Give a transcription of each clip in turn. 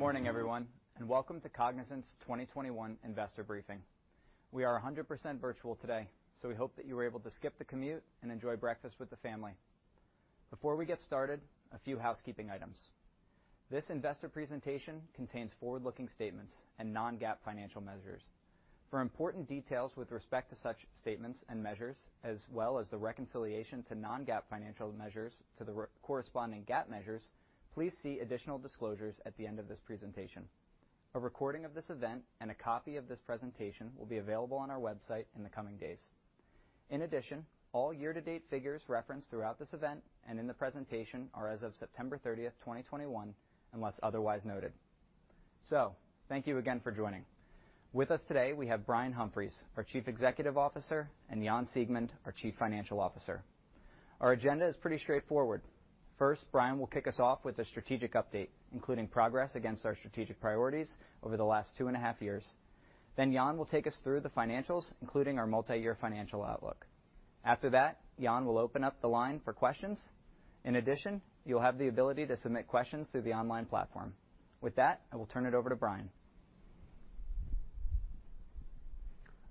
Good morning, everyone, and welcome to Cognizant's 2021 investor briefing. We are 100% virtual today, so we hope that you were able to skip the commute and enjoy breakfast with the family. Before we get started, a few housekeeping items. This investor presentation contains forward-looking statements and non-GAAP financial measures. For important details with respect to such statements and measures, as well as the reconciliation to non-GAAP financial measures to the corresponding GAAP measures, please see additional disclosures at the end of this presentation. A recording of this event and a copy of this presentation will be available on our website in the coming days. In addition, all year-to-date figures referenced throughout this event and in the presentation are as of September 30, 2021, unless otherwise noted. Thank you again for joining. With us today, we have Brian Humphries, our Chief Executive Officer, and Jan Siegmund, our Chief Financial Officer. Our agenda is pretty straightforward. First, Brian will kick us off with a strategic update, including progress against our strategic priorities over the last two and a half years. Then Jan will take us through the financials, including our multi-year financial outlook. After that, Jan will open up the line for questions. In addition, you'll have the ability to submit questions through the online platform. With that, I will turn it over to Brian.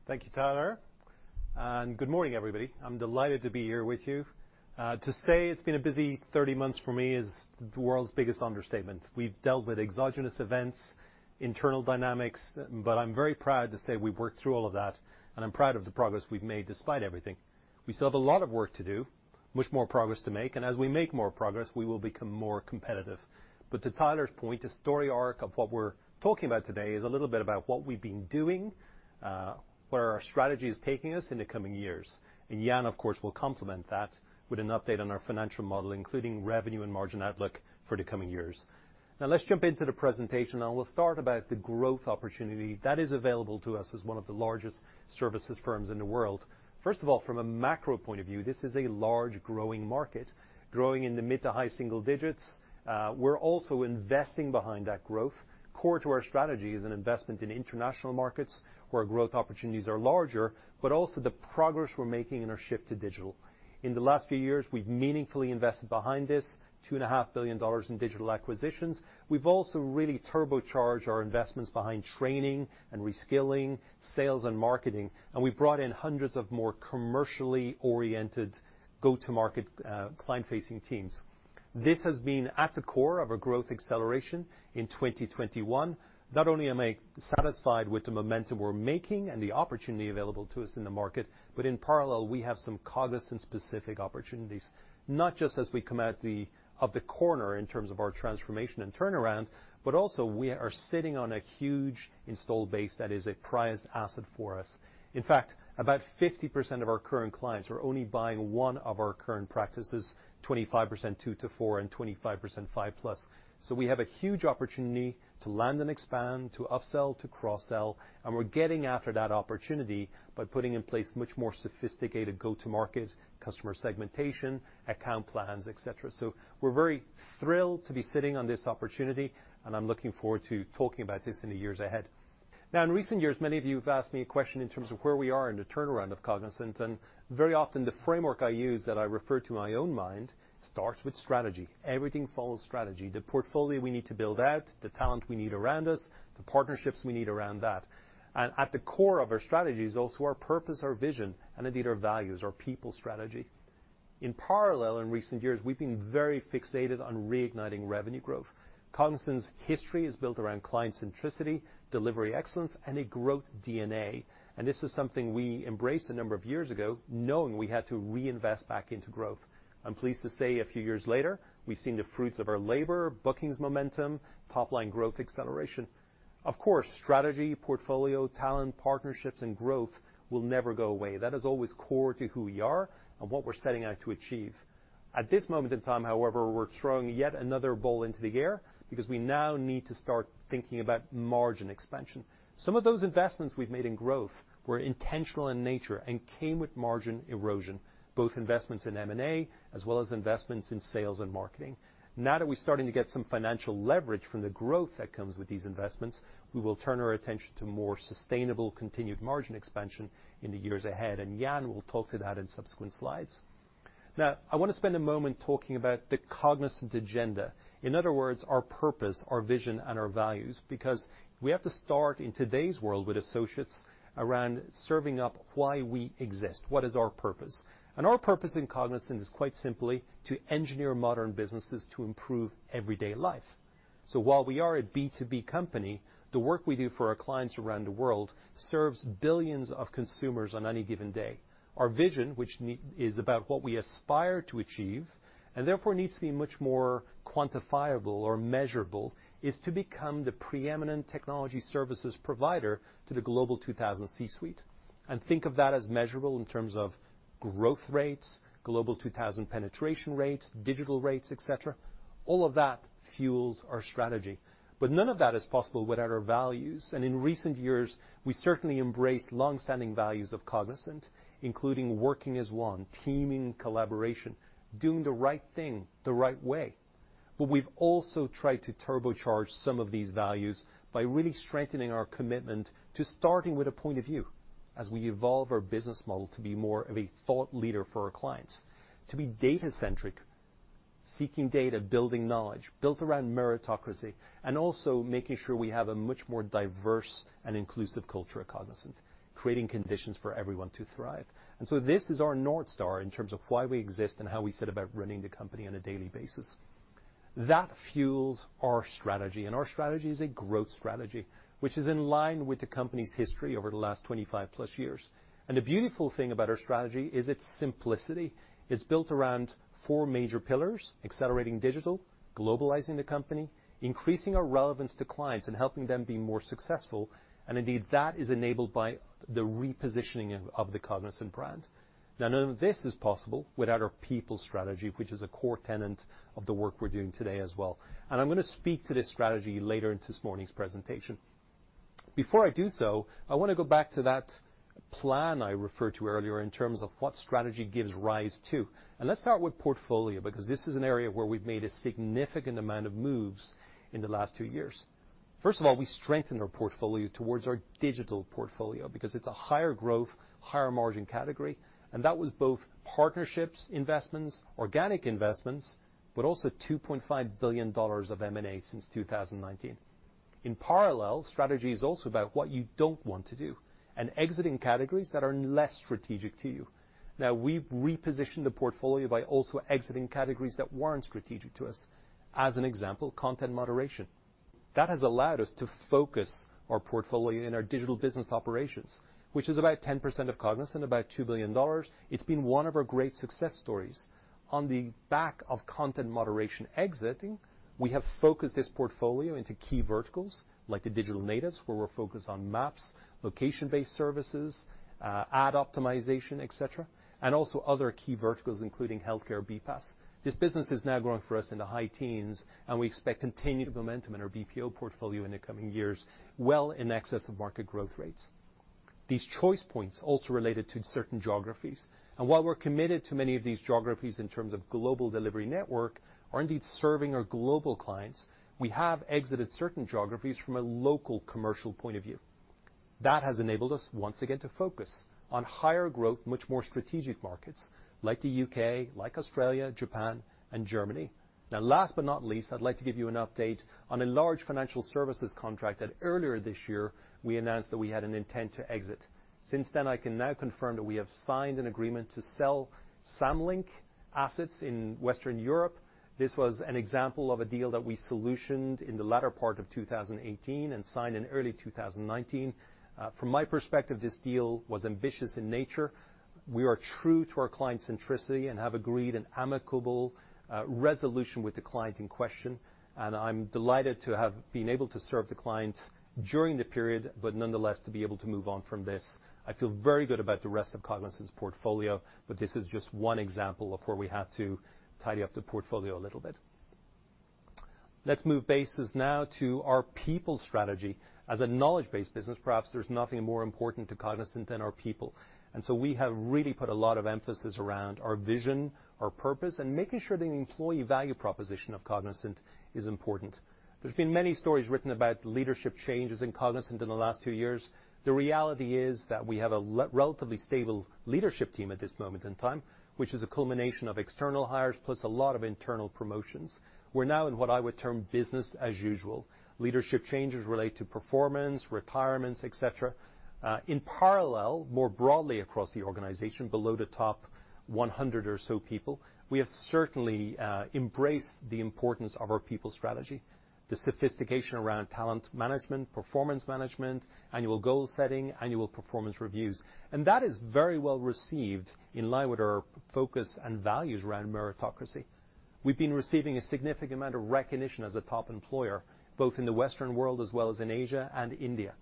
Thank you, Tyler. Good morning, everybody. I'm delighted to be here with you. To say it's been a busy 30 months for me is the world's biggest understatement. We've dealt with exogenous events, internal dynamics, but I'm very proud to say we've worked through all of that, and I'm proud of the progress we've made despite everything. We still have a lot of work to do, much more progress to make, and as we make more progress, we will become more competitive. But to Tyler's point, the story arc of what we're talking about today is a little bit about what we've been doing, where our strategy is taking us in the coming years. Jan, of course, will complement that with an update on our financial model, including revenue and margin outlook for the coming years. Now let's jump into the presentation, and we'll start about the growth opportunity that is available to us as one of the largest services firms in the world. First of all, from a macro point of view, this is a large growing market, growing in the mid- to high-single digits%. We're also investing behind that growth. Core to our strategy is an investment in international markets where growth opportunities are larger, but also the progress we're making in our shift to digital. In the last few years, we've meaningfully invested behind this, $2.5 billion in digital acquisitions. We've also really turbocharged our investments behind training and reskilling, sales and marketing, and we brought in hundreds of more commercially-oriented go-to-market, client-facing teams. This has been at the core of our growth acceleration in 2021. Not only am I satisfied with the momentum we're making and the opportunity available to us in the market, but in parallel, we have some Cognizant-specific opportunities. Not just as we come out of the corner in terms of our transformation and turnaround, but also we are sitting on a huge installed base that is a prized asset for us. In fact, about 50% of our current clients are only buying one of our current practices, 25% 2-4, and 25% 5+. We have a huge opportunity to land and expand, to upsell, to cross-sell, and we're getting after that opportunity by putting in place much more sophisticated go-to-market customer segmentation, account plans, et cetera. We're very thrilled to be sitting on this opportunity, and I'm looking forward to talking about this in the years ahead. Now, in recent years, many of you have asked me a question in terms of where we are in the turnaround of Cognizant, and very often the framework I use that I refer to in my own mind starts with strategy. Everything follows strategy, the portfolio we need to build out, the talent we need around us, the partnerships we need around that. At the core of our strategy is also our purpose, our vision, and indeed our values, our people strategy. In parallel, in recent years, we've been very fixated on reigniting revenue growth. Cognizant's history is built around client centricity, delivery excellence, and a growth DNA. This is something we embraced a number of years ago, knowing we had to reinvest back into growth. I'm pleased to say a few years later, we've seen the fruits of our labor, bookings momentum, top-line growth acceleration. Of course, strategy, portfolio, talent, partnerships, and growth will never go away. That is always core to who we are and what we're setting out to achieve. At this moment in time, however, we're throwing yet another ball into the air because we now need to start thinking about margin expansion. Some of those investments we've made in growth were intentional in nature and came with margin erosion, both investments in M&A as well as investments in sales and marketing. Now that we're starting to get some financial leverage from the growth that comes with these investments, we will turn our attention to more sustainable continued margin expansion in the years ahead, and Jan will talk to that in subsequent slides. Now, I wanna spend a moment talking about the Cognizant agenda. In other words, our purpose, our vision, and our values, because we have to start in today's world with associates around serving up why we exist, what is our purpose. Our purpose in Cognizant is quite simply to engineer modern businesses to improve everyday life. While we are a B2B company, the work we do for our clients around the world serves billions of consumers on any given day. Our vision, which is about what we aspire to achieve, and therefore needs to be much more quantifiable or measurable, is to become the preeminent technology services provider to the Global 2000 C-suite. Think of that as measurable in terms of growth rates, Global 2000 penetration rates, digital rates, et cetera. All of that fuels our strategy. None of that is possible without our values, and in recent years, we certainly embrace long-standing values of Cognizant, including working as one, teaming, collaboration, doing the right thing the right way. We've also tried to turbocharge some of these values by really strengthening our commitment to starting with a point of view as we evolve our business model to be more of a thought leader for our clients, to be data-centric, seeking data, building knowledge, built around meritocracy, and also making sure we have a much more diverse and inclusive culture at Cognizant, creating conditions for everyone to thrive. This is our North Star in terms of why we exist and how we set about running the company on a daily basis. That fuels our strategy, and our strategy is a growth strategy, which is in line with the company's history over the last 25+ years. The beautiful thing about our strategy is its simplicity. It's built around four major pillars, accelerating digital, globalizing the company, increasing our relevance to clients and helping them be more successful. Indeed, that is enabled by the repositioning of the Cognizant brand. Now none of this is possible without our people strategy, which is a core tenet of the work we're doing today as well. I'm gonna speak to this strategy later in this morning's presentation. Before I do so, I wanna go back to that plan I referred to earlier in terms of what strategy gives rise to. Let's start with portfolio, because this is an area where we've made a significant amount of moves in the last two years. First of all, we strengthened our portfolio towards our digital portfolio because it's a higher growth, higher margin category, and that was both partnerships, investments, organic investments, but also $2.5 billion of M&A since 2019. In parallel, strategy is also about what you don't want to do, and exiting categories that are less strategic to you. Now, we've repositioned the portfolio by also exiting categories that weren't strategic to us. As an example, content moderation. That has allowed us to focus our portfolio in our digital business operations, which is about 10% of Cognizant, about $2 billion. It's been one of our great success stories. On the back of content moderation exiting, we have focused this portfolio into key verticals like the digital natives, where we're focused on maps, location-based services, ad optimization, et cetera, and also other key verticals, including healthcare BPaaS. This business is now growing for us in the high teens, and we expect continued momentum in our BPO portfolio in the coming years, well in excess of market growth rates. These choice points also related to certain geographies. While we're committed to many of these geographies in terms of global delivery network or indeed serving our global clients, we have exited certain geographies from a local commercial point of view. That has enabled us, once again, to focus on higher growth, much more strategic markets like the U.K., like Australia, Japan, and Germany. Now last but not least, I'd like to give you an update on a large financial services contract that earlier this year we announced that we had an intent to exit. Since then, I can now confirm that we have signed an agreement to sell Samlink assets in Western Europe. This was an example of a deal that we solutioned in the latter part of 2018 and signed in early 2019. From my perspective, this deal was ambitious in nature. We are true to our client centricity and have agreed an amicable resolution with the client in question, and I'm delighted to have been able to serve the clients during the period, but nonetheless, to be able to move on from this. I feel very good about the rest of Cognizant's portfolio, but this is just one example of where we had to tidy up the portfolio a little bit. Let's move on now to our people strategy. As a knowledge-based business, perhaps there's nothing more important to Cognizant than our people. We have really put a lot of emphasis around our vision, our purpose, and making sure the employee value proposition of Cognizant is important. There's been many stories written about leadership changes in Cognizant in the last few years. The reality is that we have a relatively stable leadership team at this moment in time, which is a culmination of external hires plus a lot of internal promotions. We're now in what I would term business as usual. Leadership changes relate to performance, retirements, et cetera. In parallel, more broadly across the organization, below the top 100 or so people, we have certainly embraced the importance of our people strategy, the sophistication around talent management, performance management, annual goal setting, annual performance reviews. That is very well received in line with our focus and values around meritocracy. We've been receiving a significant amount of recognition as a top employer, both in the Western world as well as in Asia and India.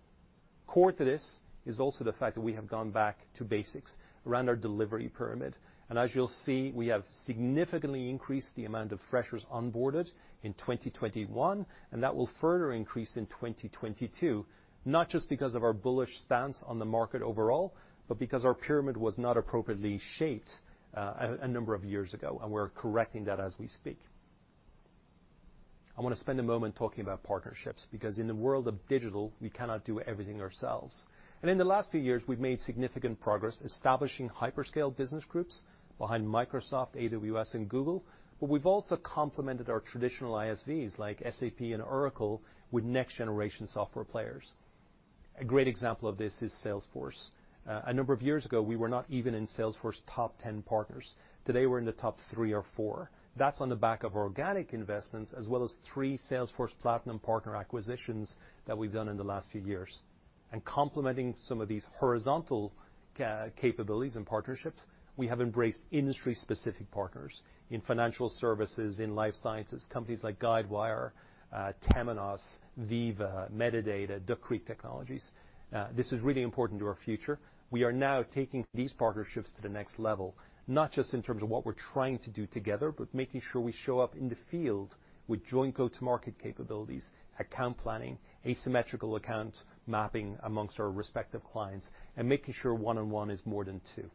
Core to this is also the fact that we have gone back to basics around our delivery pyramid. As you'll see, we have significantly increased the amount of freshers onboarded in 2021, and that will further increase in 2022, not just because of our bullish stance on the market overall, but because our pyramid was not appropriately shaped, a number of years ago, and we're correcting that as we speak. I wanna spend a moment talking about partnerships because in the world of digital, we cannot do everything ourselves. In the last few years, we've made significant progress establishing hyperscale business groups behind Microsoft, AWS, and Google. We've also complemented our traditional ISVs like SAP and Oracle with next generation software players. A great example of this is Salesforce. A number of years ago, we were not even in Salesforce top 10 partners. Today, we're in the top three or four. That's on the back of organic investments, as well as three Salesforce Platinum Partner acquisitions that we've done in the last few years. Complementing some of these horizontal capabilities and partnerships, we have embraced industry-specific partners in financial services, in life sciences, companies like Guidewire, Temenos, Veeva, Medidata, Duck Creek Technologies. This is really important to our future. We are now taking these partnerships to the next level, not just in terms of what we're trying to do together, but making sure we show up in the field with joint go-to-market capabilities, account planning, asymmetrical account mapping amongst our respective clients, and making sure one on one is more than two.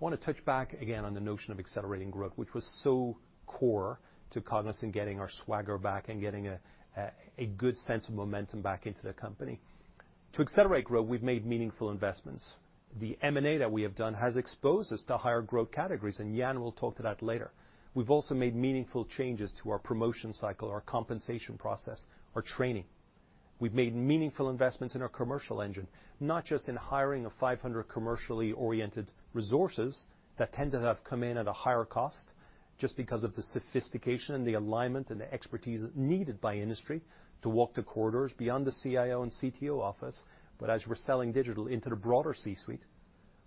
I wanna touch back again on the notion of accelerating growth, which was so core to Cognizant getting our swagger back and getting a good sense of momentum back into the company. To accelerate growth, we've made meaningful investments. The M&A that we have done has exposed us to higher growth categories, and Jan will talk to that later. We've also made meaningful changes to our promotion cycle, our compensation process, our training. We've made meaningful investments in our commercial engine, not just in hiring of 500 commercially-oriented resources that tend to have come in at a higher cost just because of the sophistication and the alignment and the expertise needed by industry to walk the corridors beyond the CIO and CTO office, but as we're selling digital into the broader C-suite.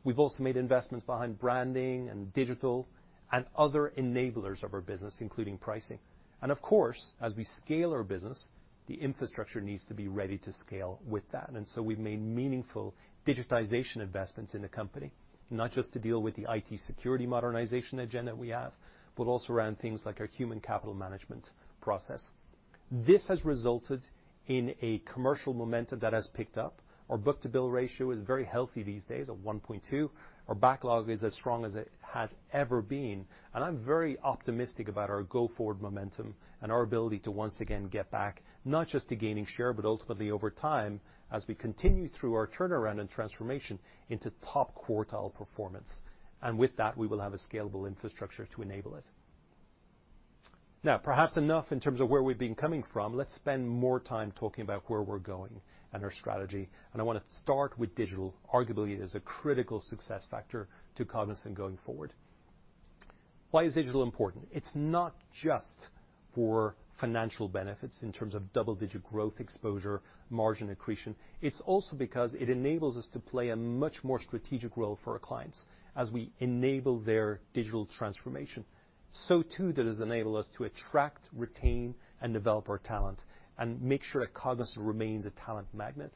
We've also made investments behind branding and digital and other enablers of our business, including pricing. Of course, as we scale our business, the infrastructure needs to be ready to scale with that. We've made meaningful digitization investments in the company, not just to deal with the IT security modernization agenda we have, but also around things like our human capital management process. This has resulted in a commercial momentum that has picked up. Our book-to-bill ratio is very healthy these days at 1.2. Our backlog is as strong as it has ever been, and I'm very optimistic about our go-forward momentum and our ability to once again get back, not just to gaining share, but ultimately over time, as we continue through our turnaround and transformation into top quartile performance. With that, we will have a scalable infrastructure to enable it. Now, perhaps enough in terms of where we've been coming from. Let's spend more time talking about where we're going and our strategy, and I wanna start with digital. Arguably, it is a critical success factor to Cognizant going forward. Why is digital important? It's not just for financial benefits in terms of double-digit growth exposure, margin accretion. It's also because it enables us to play a much more strategic role for our clients as we enable their digital transformation. So too, does it enable us to attract, retain, and develop our talent and make sure that Cognizant remains a talent magnet.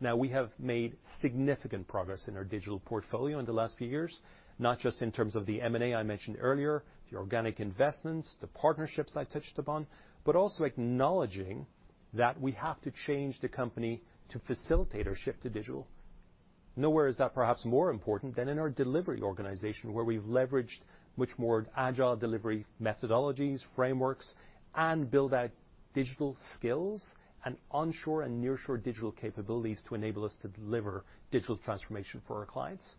Now, we have made significant progress in our digital portfolio in the last few years, not just in terms of the M&A I mentioned earlier, the organic investments, the partnerships I touched upon, but also acknowledging that we have to change the company to facilitate our shift to digital. Nowhere is that perhaps more important than in our delivery organization, where we've leveraged much more agile delivery methodologies, frameworks, and build out digital skills and onshore and nearshore digital capabilities to enable us to deliver digital transformation for our clients.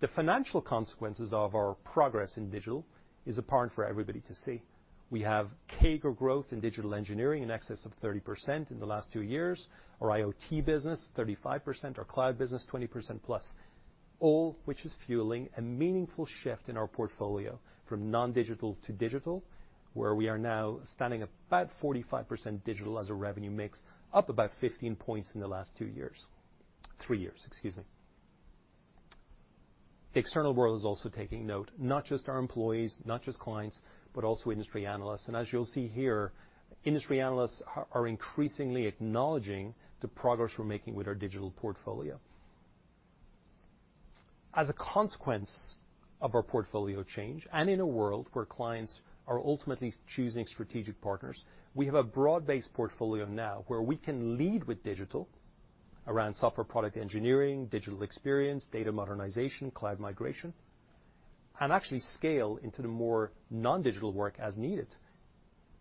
The financial consequences of our progress in digital is apparent for everybody to see. We have CAGR growth in digital engineering in excess of 30% in the last two years, our IoT business, 35%, our cloud business, 20% plus, all which is fueling a meaningful shift in our portfolio from non-digital to digital, where we are now standing about 45% digital as a revenue mix, up about 15 points in the last two years. Three years, excuse me. The external world is also taking note, not just our employees, not just clients, but also industry analysts. As you'll see here, industry analysts are increasingly acknowledging the progress we're making with our digital portfolio. As a consequence of our portfolio change, and in a world where clients are ultimately choosing strategic partners, we have a broad-based portfolio now where we can lead with digital around software product engineering, digital experience, data modernization, cloud migration, and actually scale into the more non-digital work as needed.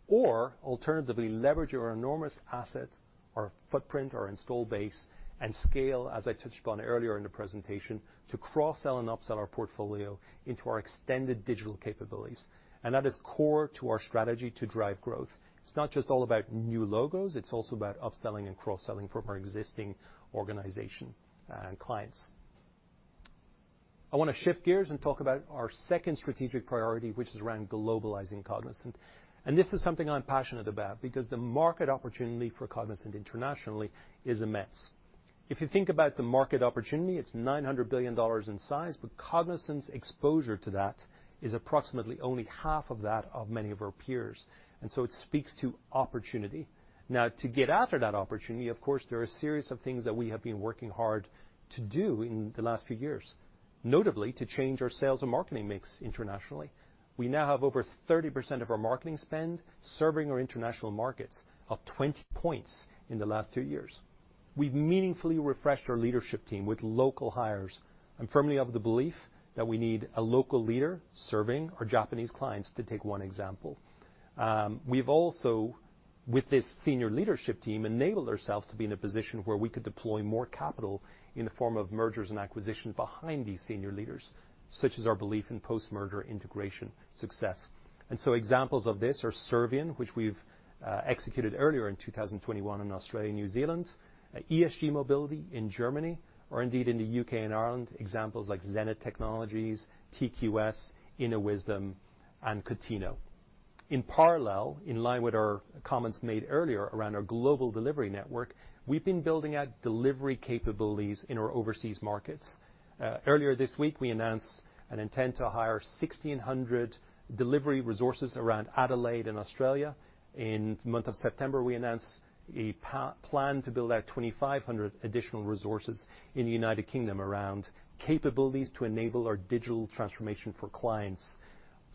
Alternatively, leverage our enormous asset, our footprint, our install base, and scale, as I touched upon earlier in the presentation, to cross-sell and up-sell our portfolio into our extended digital capabilities. That is core to our strategy to drive growth. It's not just all about new logos, it's also about upselling and cross-selling from our existing organization and clients. I wanna shift gears and talk about our second strategic priority, which is around globalizing Cognizant. This is something I'm passionate about because the market opportunity for Cognizant internationally is immense. If you think about the market opportunity, it's $900 billion in size, but Cognizant's exposure to that is approximately only half of that of many of our peers. It speaks to opportunity. Now, to get after that opportunity, of course, there are a series of things that we have been working hard to do in the last few years, notably to change our sales and marketing mix internationally. We now have over 30% of our marketing spend serving our international markets, up 20 points in the last two years. We've meaningfully refreshed our leadership team with local hires. I'm firmly of the belief that we need a local leader serving our Japanese clients, to take one example. We've also, with this senior leadership team, enabled ourselves to be in a position where we could deploy more capital in the form of mergers and acquisitions behind these senior leaders, such as our belief in post-merger integration success. Examples of this are Servian, which we've executed earlier in 2021 in Australia and New Zealand, ESG Mobility in Germany, or indeed in the U.K. and Ireland, examples like Zenith Technologies, TQS, Inawisdom, and Contino. In parallel, in line with our comments made earlier around our global delivery network, we've been building out delivery capabilities in our overseas markets. Earlier this week, we announced an intent to hire 1,600 delivery resources around Adelaide in Australia. In the month of September, we announced a plan to build out 2,500 additional resources in the U.K. around capabilities to enable our digital transformation for clients.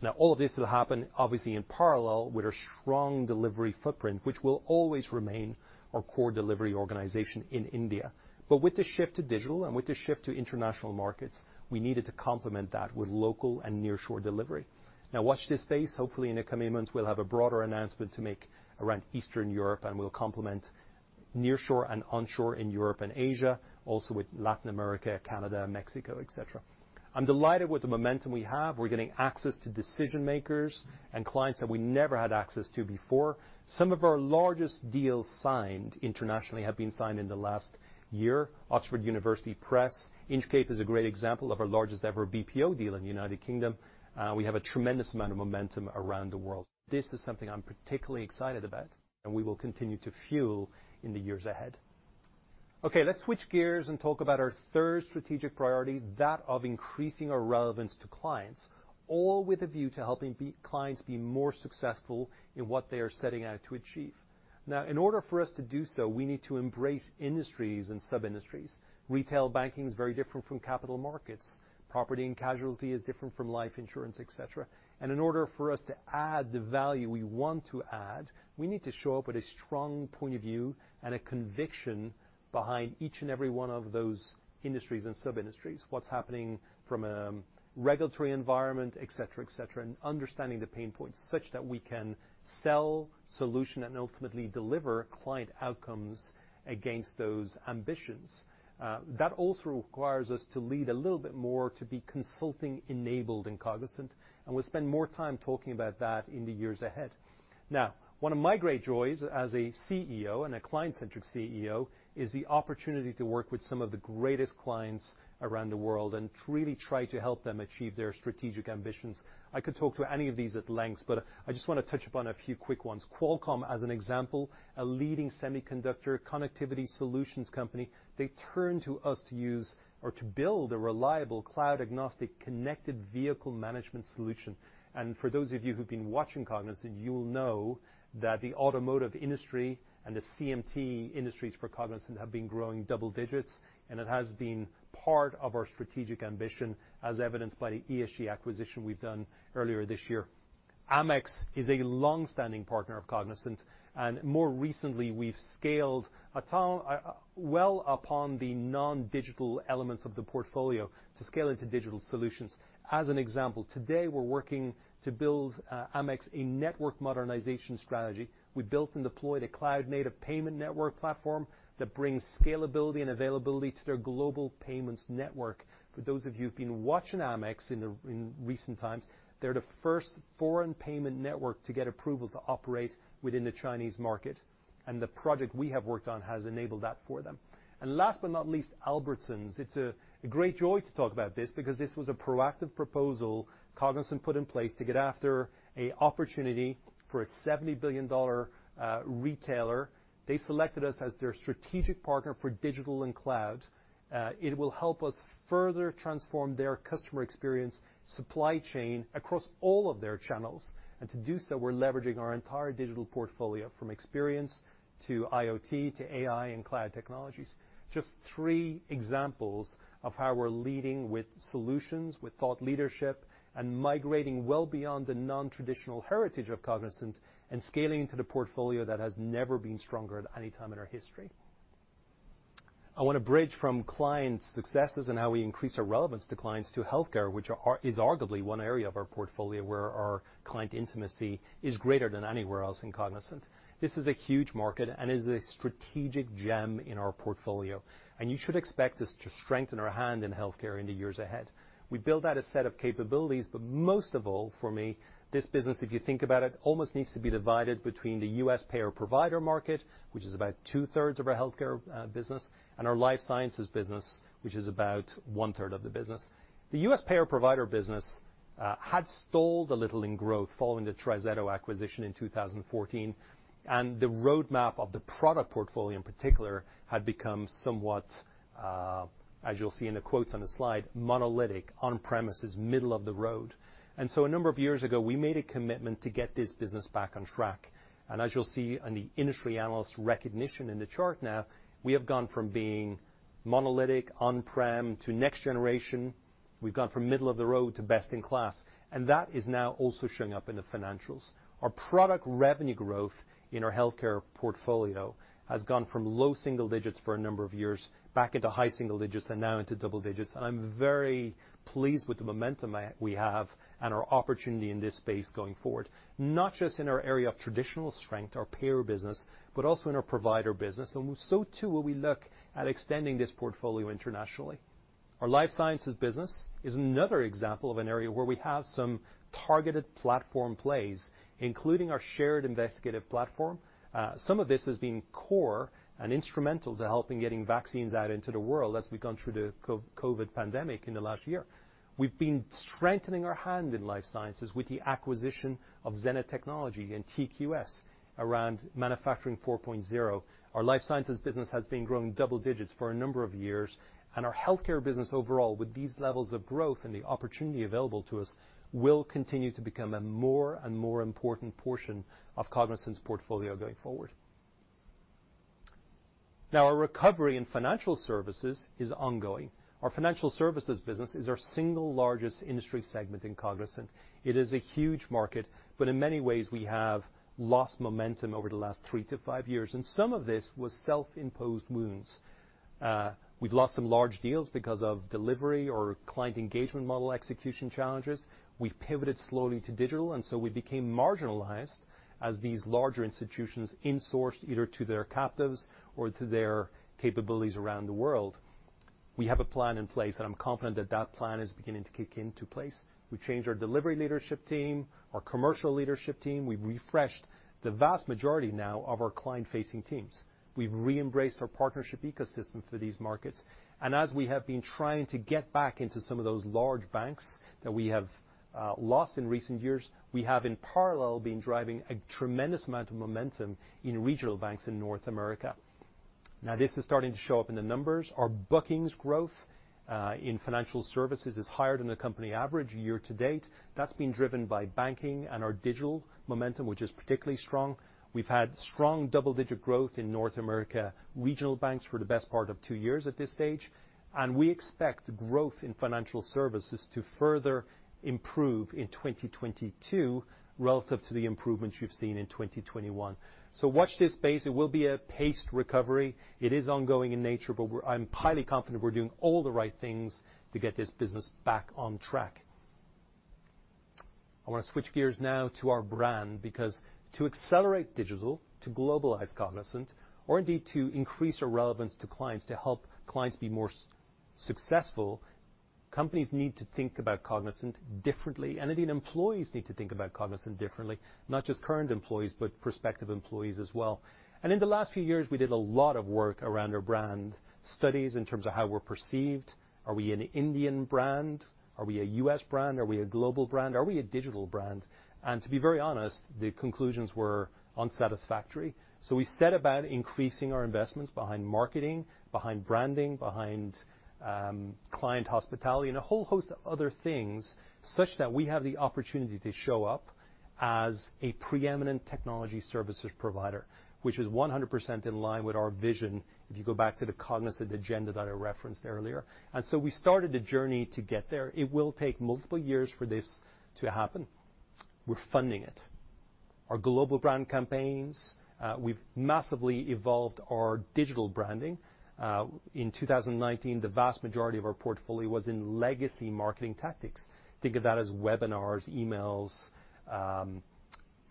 Now, all of this will happen obviously in parallel with our strong delivery footprint, which will always remain our core delivery organization in India. With the shift to digital and with the shift to international markets, we needed to complement that with local and nearshore delivery. Now watch this space. Hopefully in the coming months, we'll have a broader announcement to make around Eastern Europe and will complement nearshore and onshore in Europe and Asia, also with Latin America, Canada, Mexico, etc. I'm delighted with the momentum we have. We're getting access to decision-makers and clients that we never had access to before. Some of our largest deals signed internationally have been signed in the last year. Oxford University Press. Inchcape is a great example of our largest ever BPO deal in the United Kingdom. We have a tremendous amount of momentum around the world. This is something I'm particularly excited about, and we will continue to fuel in the years ahead. Okay, let's switch gears and talk about our third strategic priority, that of increasing our relevance to clients, all with a view to helping clients be more successful in what they are setting out to achieve. Now, in order for us to do so, we need to embrace industries and sub-industries. Retail banking is very different from capital markets. Property and casualty is different from life insurance, et cetera. In order for us to add the value we want to add, we need to show up with a strong point of view and a conviction behind each and every one of those industries and sub-industries, what's happening from a regulatory environment, et cetera, et cetera, and understanding the pain points such that we can sell solution and ultimately deliver client outcomes against those ambitions. That also requires us to lead a little bit more to be consulting-enabled in Cognizant, and we'll spend more time talking about that in the years ahead. Now, one of my great joys as a CEO and a client-centric CEO is the opportunity to work with some of the greatest clients around the world and to really try to help them achieve their strategic ambitions. I could talk to any of these at length, but I just want to touch upon a few quick ones. Qualcomm, as an example, a leading semiconductor connectivity solutions company, they turned to us to use or to build a reliable cloud agnostic connected vehicle management solution. For those of you who've been watching Cognizant, you'll know that the automotive industry and the CMT industries for Cognizant have been growing double digits, and it has been part of our strategic ambition, as evidenced by the ESG Mobility acquisition we've done earlier this year. Amex is a long-standing partner of Cognizant, and more recently, we've scaled a ton upon the non-digital elements of the portfolio to scale into digital solutions. As an example, today, we're working to build Amex a network modernization strategy. We built and deployed a cloud-native payment network platform that brings scalability and availability to their global payments network. For those of you who've been watching Amex in recent times, they're the first foreign payment network to get approval to operate within the Chinese market, and the project we have worked on has enabled that for them. Last but not least, Albertsons, it's a great joy to talk about this because this was a proactive proposal Cognizant put in place to get after an opportunity for a $70 billion retailer. They selected us as their strategic partner for digital and cloud. It will help us further transform their customer experience, supply chain across all of their channels. To do so, we're leveraging our entire digital portfolio from experience to IoT to AI and cloud technologies. Just three examples of how we're leading with solutions, with thought leadership, and migrating well beyond the non-traditional heritage of Cognizant and scaling into the portfolio that has never been stronger at any time in our history. I want to bridge from client successes and how we increase our relevance to clients to healthcare, which is arguably one area of our portfolio where our client intimacy is greater than anywhere else in Cognizant. This is a huge market and is a strategic gem in our portfolio, and you should expect us to strengthen our hand in healthcare in the years ahead. We built out a set of capabilities, but most of all, for me, this business, if you think about it, almost needs to be divided between the U.S. payer-provider market, which is about 2/3 of our healthcare business, and our life sciences business, which is about 1/3 of the business. The U.S. payer-provider business had stalled a little in growth following the TriZetto acquisition in 2014, and the roadmap of the product portfolio in particular had become somewhat, as you'll see in the quotes on the slide, monolithic, on-premises, middle of the road. A number of years ago, we made a commitment to get this business back on track. As you'll see on the industry analyst recognition in the chart now, we have gone from being monolithic on-prem to next generation. We've gone from middle of the road to best in class, and that is now also showing up in the financials. Our product revenue growth in our healthcare portfolio has gone from low single digits for a number of years back into high single digits and now into double digits. I'm very pleased with the momentum we have and our opportunity in this space going forward, not just in our area of traditional strength, our payer business, but also in our provider business. Too will we look at extending this portfolio internationally. Our life sciences business is another example of an area where we have some targeted platform plays, including our Shared Investigator Platform. Some of this has been core and instrumental to helping getting vaccines out into the world as we've gone through the COVID pandemic in the last year. We've been strengthening our hand in life sciences with the acquisition of Zenith Technologies and TQS around manufacturing 4.0. Our life sciences business has been growing double digits for a number of years, and our healthcare business overall with these levels of growth and the opportunity available to us will continue to become a more and more important portion of Cognizant's portfolio going forward. Our recovery in financial services is ongoing. Our financial services business is our single largest industry segment in Cognizant. It is a huge market, but in many ways, we have lost momentum over the last 3-5 years, and some of this was self-imposed wounds. We've lost some large deals because of delivery or client engagement model execution challenges. We pivoted slowly to digital, and so we became marginalized as these larger institutions insourced either to their captives or to their capabilities around the world. We have a plan in place, and I'm confident that that plan is beginning to kick into place. We changed our delivery leadership team, our commercial leadership team. We've refreshed the vast majority now of our client-facing teams. We've re-embraced our partnership ecosystem for these markets. As we have been trying to get back into some of those large banks that we have lost in recent years, we have in parallel been driving a tremendous amount of momentum in regional banks in North America. Now, this is starting to show up in the numbers. Our bookings growth in financial services is higher than the company average year to date. That's been driven by banking and our digital momentum, which is particularly strong. We've had strong double-digit growth in North America regional banks for the best part of two years at this stage, and we expect growth in financial services to further improve in 2022 relative to the improvements you've seen in 2021. Watch this space. It will be a paced recovery. It is ongoing in nature, but I'm highly confident we're doing all the right things to get this business back on track. I want to switch gears now to our brand because to accelerate digital, to globalize Cognizant or indeed to increase our relevance to clients, to help clients be more successful, companies need to think about Cognizant differently. Indeed employees need to think about Cognizant differently, not just current employees, but prospective employees as well. In the last few years, we did a lot of work around our brand studies in terms of how we're perceived. Are we an Indian brand? Are we a US brand? Are we a global brand? Are we a digital brand? To be very honest, the conclusions were unsatisfactory. We set about increasing our investments behind marketing, behind branding, behind client hospitality and a whole host of other things such that we have the opportunity to show up as a preeminent technology services provider, which is 100% in line with our vision if you go back to the Cognizant agenda that I referenced earlier. We started the journey to get there. It will take multiple years for this to happen. We're funding it. Our global brand campaigns, we've massively evolved our digital branding. In 2019, the vast majority of our portfolio was in legacy marketing tactics. Think of that as webinars, emails,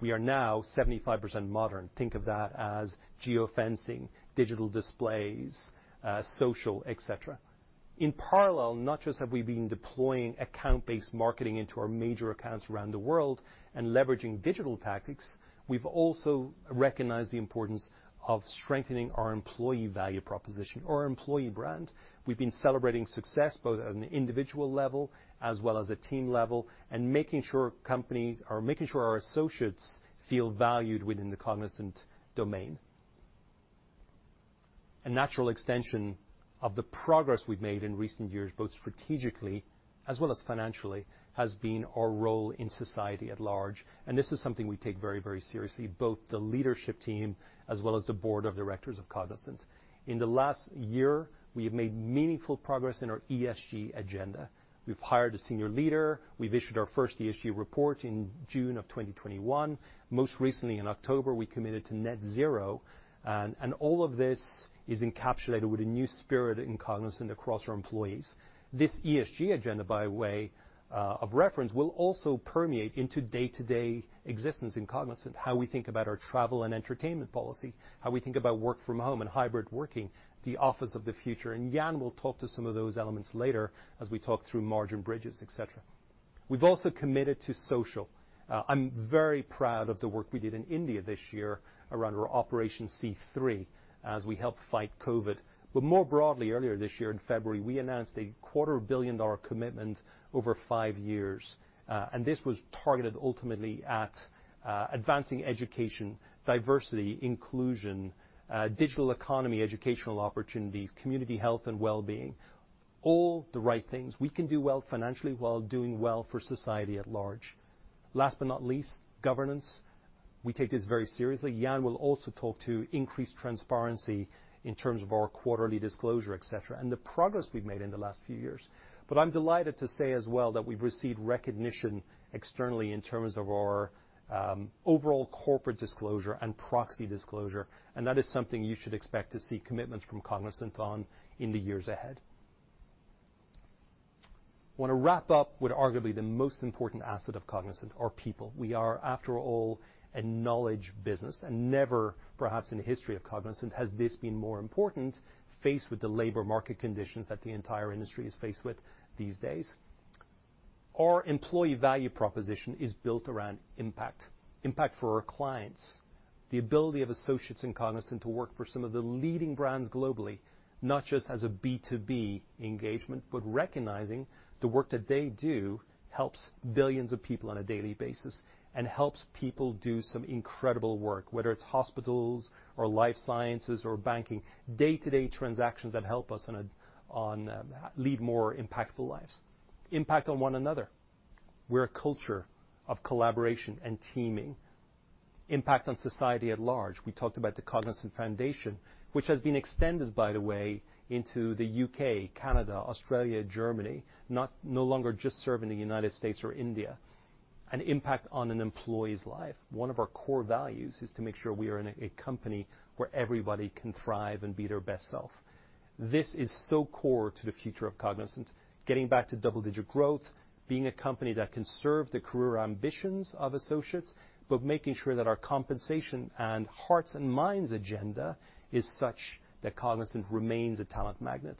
we are now 75% modern. Think of that as geofencing, digital displays, social, et cetera. In parallel, not just have we been deploying account-based marketing into our major accounts around the world and leveraging digital tactics, we've also recognized the importance of strengthening our employee value proposition or employee brand. We've been celebrating success both at an individual level as well as a team level, and making sure our associates feel valued within the Cognizant domain. A natural extension of the progress we've made in recent years, both strategically as well as financially, has been our role in society at large. This is something we take very, very seriously, both the leadership team as well as the board of directors of Cognizant. In the last year, we have made meaningful progress in our ESG agenda. We've hired a senior leader. We've issued our first ESG report in June 2021. Most recently in October, we committed to net zero. And all of this is encapsulated with a new spirit in Cognizant across our employees. This ESG agenda, by way of reference, will also permeate into day-to-day existence in Cognizant, how we think about our travel and entertainment policy, how we think about work from home and hybrid working, the office of the future. Jan will talk to some of those elements later as we talk through margin bridges, et cetera. We've also committed to social. I'm very proud of the work we did in India this year around our Operation C3 as we helped fight COVID. More broadly, earlier this year in February, we announced a quarter billion-dollar commitment over five years. This was targeted ultimately at advancing education, diversity, inclusion, digital economy, educational opportunities, community health and wellbeing, all the right things. We can do well financially while doing well for society at large. Last but not least, governance. We take this very seriously. Jan will also talk to increased transparency in terms of our quarterly disclosure, et cetera, and the progress we've made in the last few years. I'm delighted to say as well that we've received recognition externally in terms of our overall corporate disclosure and proxy disclosure, and that is something you should expect to see commitments from Cognizant on in the years ahead. I want to wrap up with arguably the most important asset of Cognizant, our people. We are, after all, a knowledge business, and never perhaps in the history of Cognizant has this been more important, faced with the labor market conditions that the entire industry is faced with these days. Our employee value proposition is built around impact. Impact for our clients. The ability of associates in Cognizant to work for some of the leading brands globally, not just as a B2B engagement, but recognizing the work that they do helps billions of people on a daily basis and helps people do some incredible work, whether it's hospitals or life sciences or banking, day-to-day transactions that help us lead more impactful lives. Impact on one another. We're a culture of collaboration and teaming. Impact on society at large. We talked about the Cognizant Foundation, which has been extended, by the way, into the U.K., Canada, Australia, Germany, no longer just serving the United States or India. An impact on an employee's life. One of our core values is to make sure we are in a company where everybody can thrive and be their best self. This is so core to the future of Cognizant, getting back to double-digit growth, being a company that can serve the career ambitions of associates, but making sure that our compensation and hearts and minds agenda is such that Cognizant remains a talent magnet.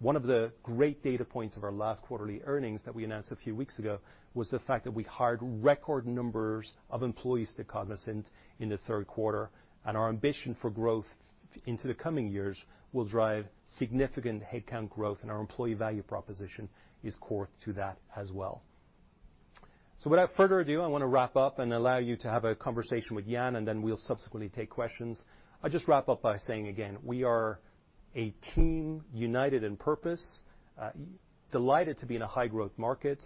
One of the great data points of our last quarterly earnings that we announced a few weeks ago was the fact that we hired record numbers of employees to Cognizant in the third quarter, and our ambition for growth into the coming years will drive significant headcount growth, and our employee value proposition is core to that as well. Without further ado, I wanna wrap up and allow you to have a conversation with Jan, and then we'll subsequently take questions. I'll just wrap up by saying again, we are a team united in purpose, delighted to be in a high-growth market,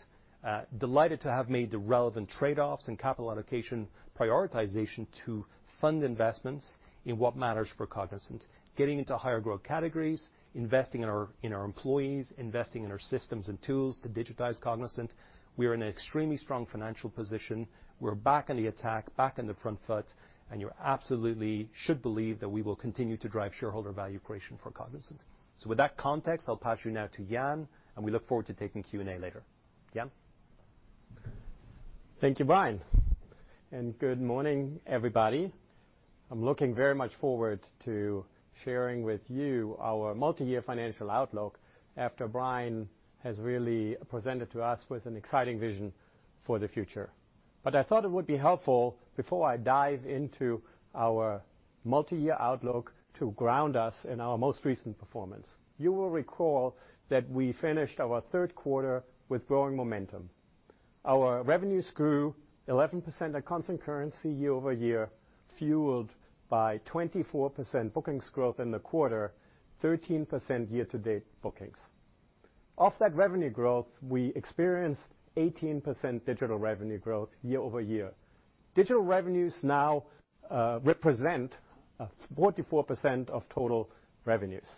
delighted to have made the relevant trade-offs in capital allocation prioritization to fund investments in what matters for Cognizant, getting into higher growth categories, investing in our employees, investing in our systems and tools to digitize Cognizant. We are in an extremely strong financial position. We're back on the attack, back on the front foot, and you absolutely should believe that we will continue to drive shareholder value creation for Cognizant. With that context, I'll pass you now to Jan, and we look forward to taking Q&A later. Jan? Thank you, Brian, and good morning, everybody. I'm looking very much forward to sharing with you our multi-year financial outlook after Brian has really presented to us with an exciting vision for the future. I thought it would be helpful, before I dive into our multi-year outlook, to ground us in our most recent performance. You will recall that we finished our third quarter with growing momentum. Our revenues grew 11% at constant currency year-over-year, fueled by 24% bookings growth in the quarter, 13% year-to-date bookings. Of that revenue growth, we experienced 18% digital revenue growth year-over-year. Digital revenues now represent 44% of total revenues.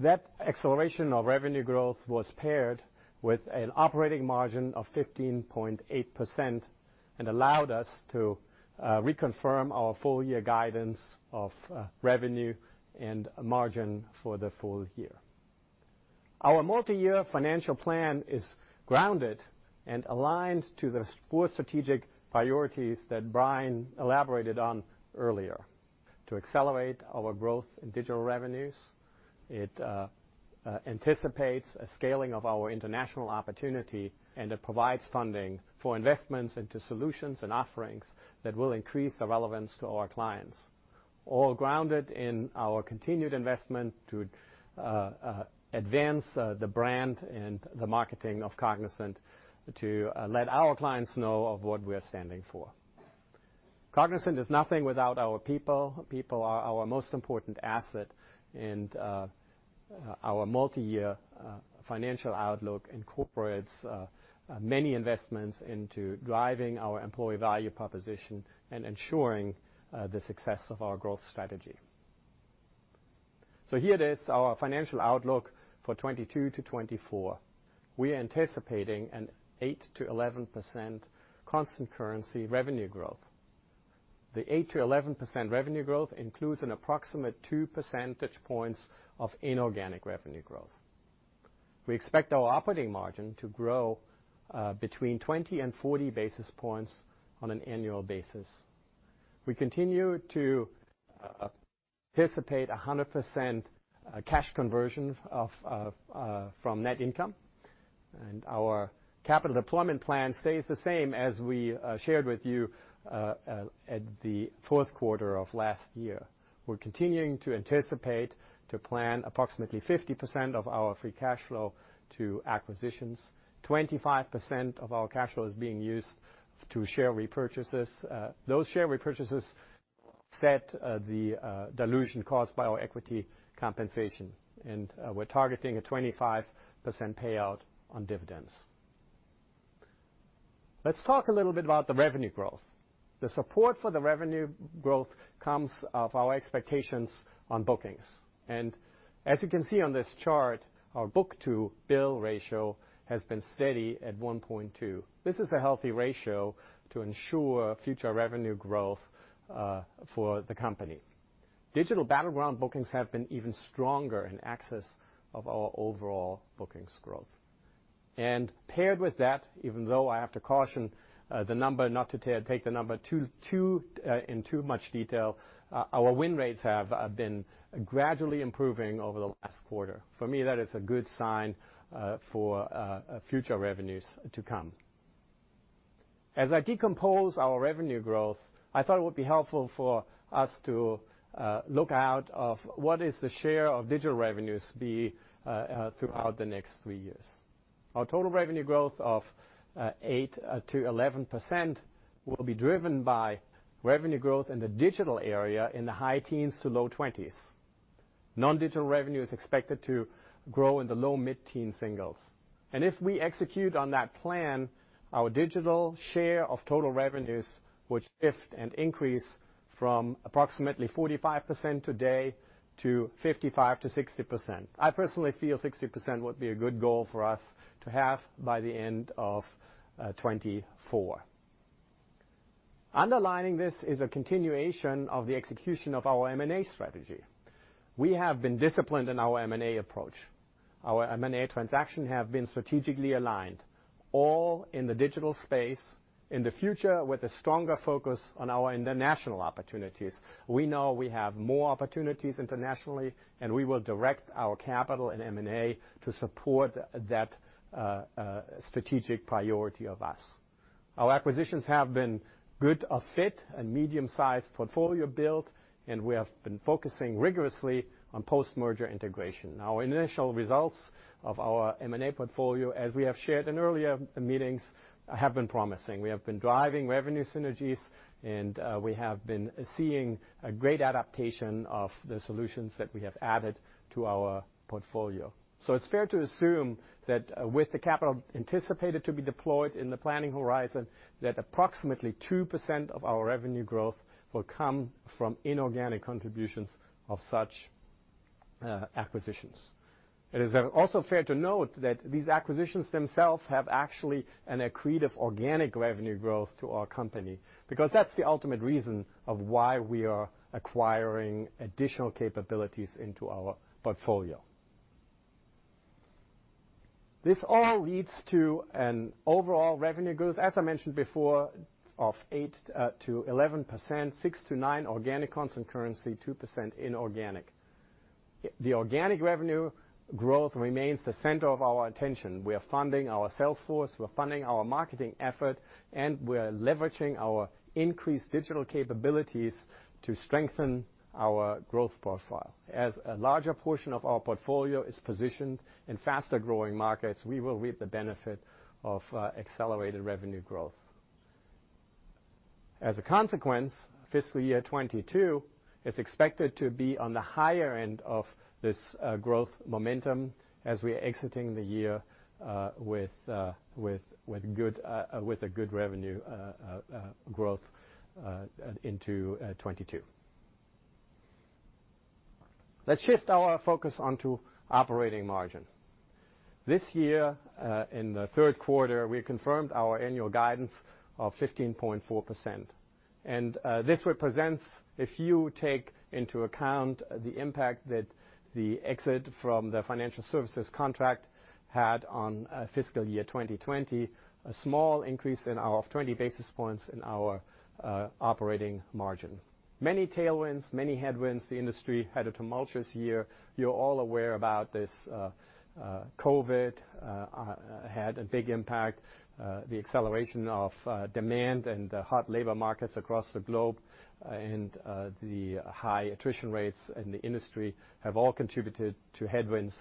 That acceleration of revenue growth was paired with an operating margin of 15.8% and allowed us to reconfirm our full year guidance of revenue and margin for the full year. Our multi-year financial plan is grounded and aligned to the four strategic priorities that Brian elaborated on earlier to accelerate our growth in digital revenues. It anticipates a scaling of our international opportunity, and it provides funding for investments into solutions and offerings that will increase the relevance to our clients, all grounded in our continued investment to advance the brand and the marketing of Cognizant to let our clients know of what we're standing for. Cognizant is nothing without our people. People are our most important asset, and our multi-year financial outlook incorporates many investments into driving our employee value proposition and ensuring the success of our growth strategy. Here it is, our financial outlook for 2022 to 2024. We're anticipating an 8%-11% constant currency revenue growth. The 8%-11% revenue growth includes an approximate two percentage points of inorganic revenue growth. We expect our operating margin to grow between 20 and 40 basis points on an annual basis. We continue to anticipate 100% cash conversion from net income, and our capital deployment plan stays the same as we shared with you at the fourth quarter of last year. We're continuing to anticipate to plan approximately 50% of our free cash flow to acquisitions. 25% of our cash flow is being used for share repurchases. Those share repurchases offset the dilution caused by our equity compensation, and we're targeting a 25% payout on dividends. Let's talk a little bit about the revenue growth. The support for the revenue growth comes from our expectations on bookings. As you can see on this chart, our book-to-bill ratio has been steady at 1.2. This is a healthy ratio to ensure future revenue growth for the company. Digital battleground bookings have been even stronger in excess of our overall bookings growth. Paired with that, even though I have to caution the number, not to take the number too in too much detail, our win rates have been gradually improving over the last quarter. For me, that is a good sign for future revenues to come. As I decompose our revenue growth, I thought it would be helpful for us to look at what the share of digital revenues will be throughout the next three years. Our total revenue growth of 8%-11% will be driven by revenue growth in the digital area in the high teens to low twenties. Non-digital revenue is expected to grow in the low single to mid-teens. If we execute on that plan, our digital share of total revenues will shift and increase from approximately 45% today to 55%-60%. I personally feel 60% would be a good goal for us to have by the end of 2024. Underlining this is a continuation of the execution of our M&A strategy. We have been disciplined in our M&A approach. Our M&A transactions have been strategically aligned, all in the digital space, in the future with a stronger focus on our international opportunities. We know we have more opportunities internationally, and we will direct our capital and M&A to support that strategic priority of us. Our acquisitions have been good fit and medium-sized portfolio build, and we have been focusing rigorously on post-merger integration. Our initial results of our M&A portfolio, as we have shared in earlier meetings, have been promising. We have been driving revenue synergies, and we have been seeing a great adaptation of the solutions that we have added to our portfolio. It's fair to assume that with the capital anticipated to be deployed in the planning horizon, that approximately 2% of our revenue growth will come from inorganic contributions of such acquisitions. It is also fair to note that these acquisitions themselves have actually an accretive organic revenue growth to our company, because that's the ultimate reason of why we are acquiring additional capabilities into our portfolio. This all leads to an overall revenue growth, as I mentioned before, of 8%-11%, 6%-9% organic constant currency, 2% inorganic. The organic revenue growth remains the center of our attention. We are funding our sales force, we're funding our marketing effort, and we're leveraging our increased digital capabilities to strengthen our growth profile. As a larger portion of our portfolio is positioned in faster-growing markets, we will reap the benefit of accelerated revenue growth. As a consequence, fiscal year 2022 is expected to be on the higher end of this growth momentum as we're exiting the year with a good revenue growth into 2022. Let's shift our focus onto operating margin. This year, in the third quarter, we confirmed our annual guidance of 15.4%. This represents, if you take into account the impact that the exit from the financial services contract had on fiscal year 2020, a small increase of 20 basis points in our operating margin. Many tailwinds, many headwinds. The industry had a tumultuous year. You're all aware about this. COVID had a big impact. The acceleration of demand and the hot labor markets across the globe and the high attrition rates in the industry have all contributed to headwinds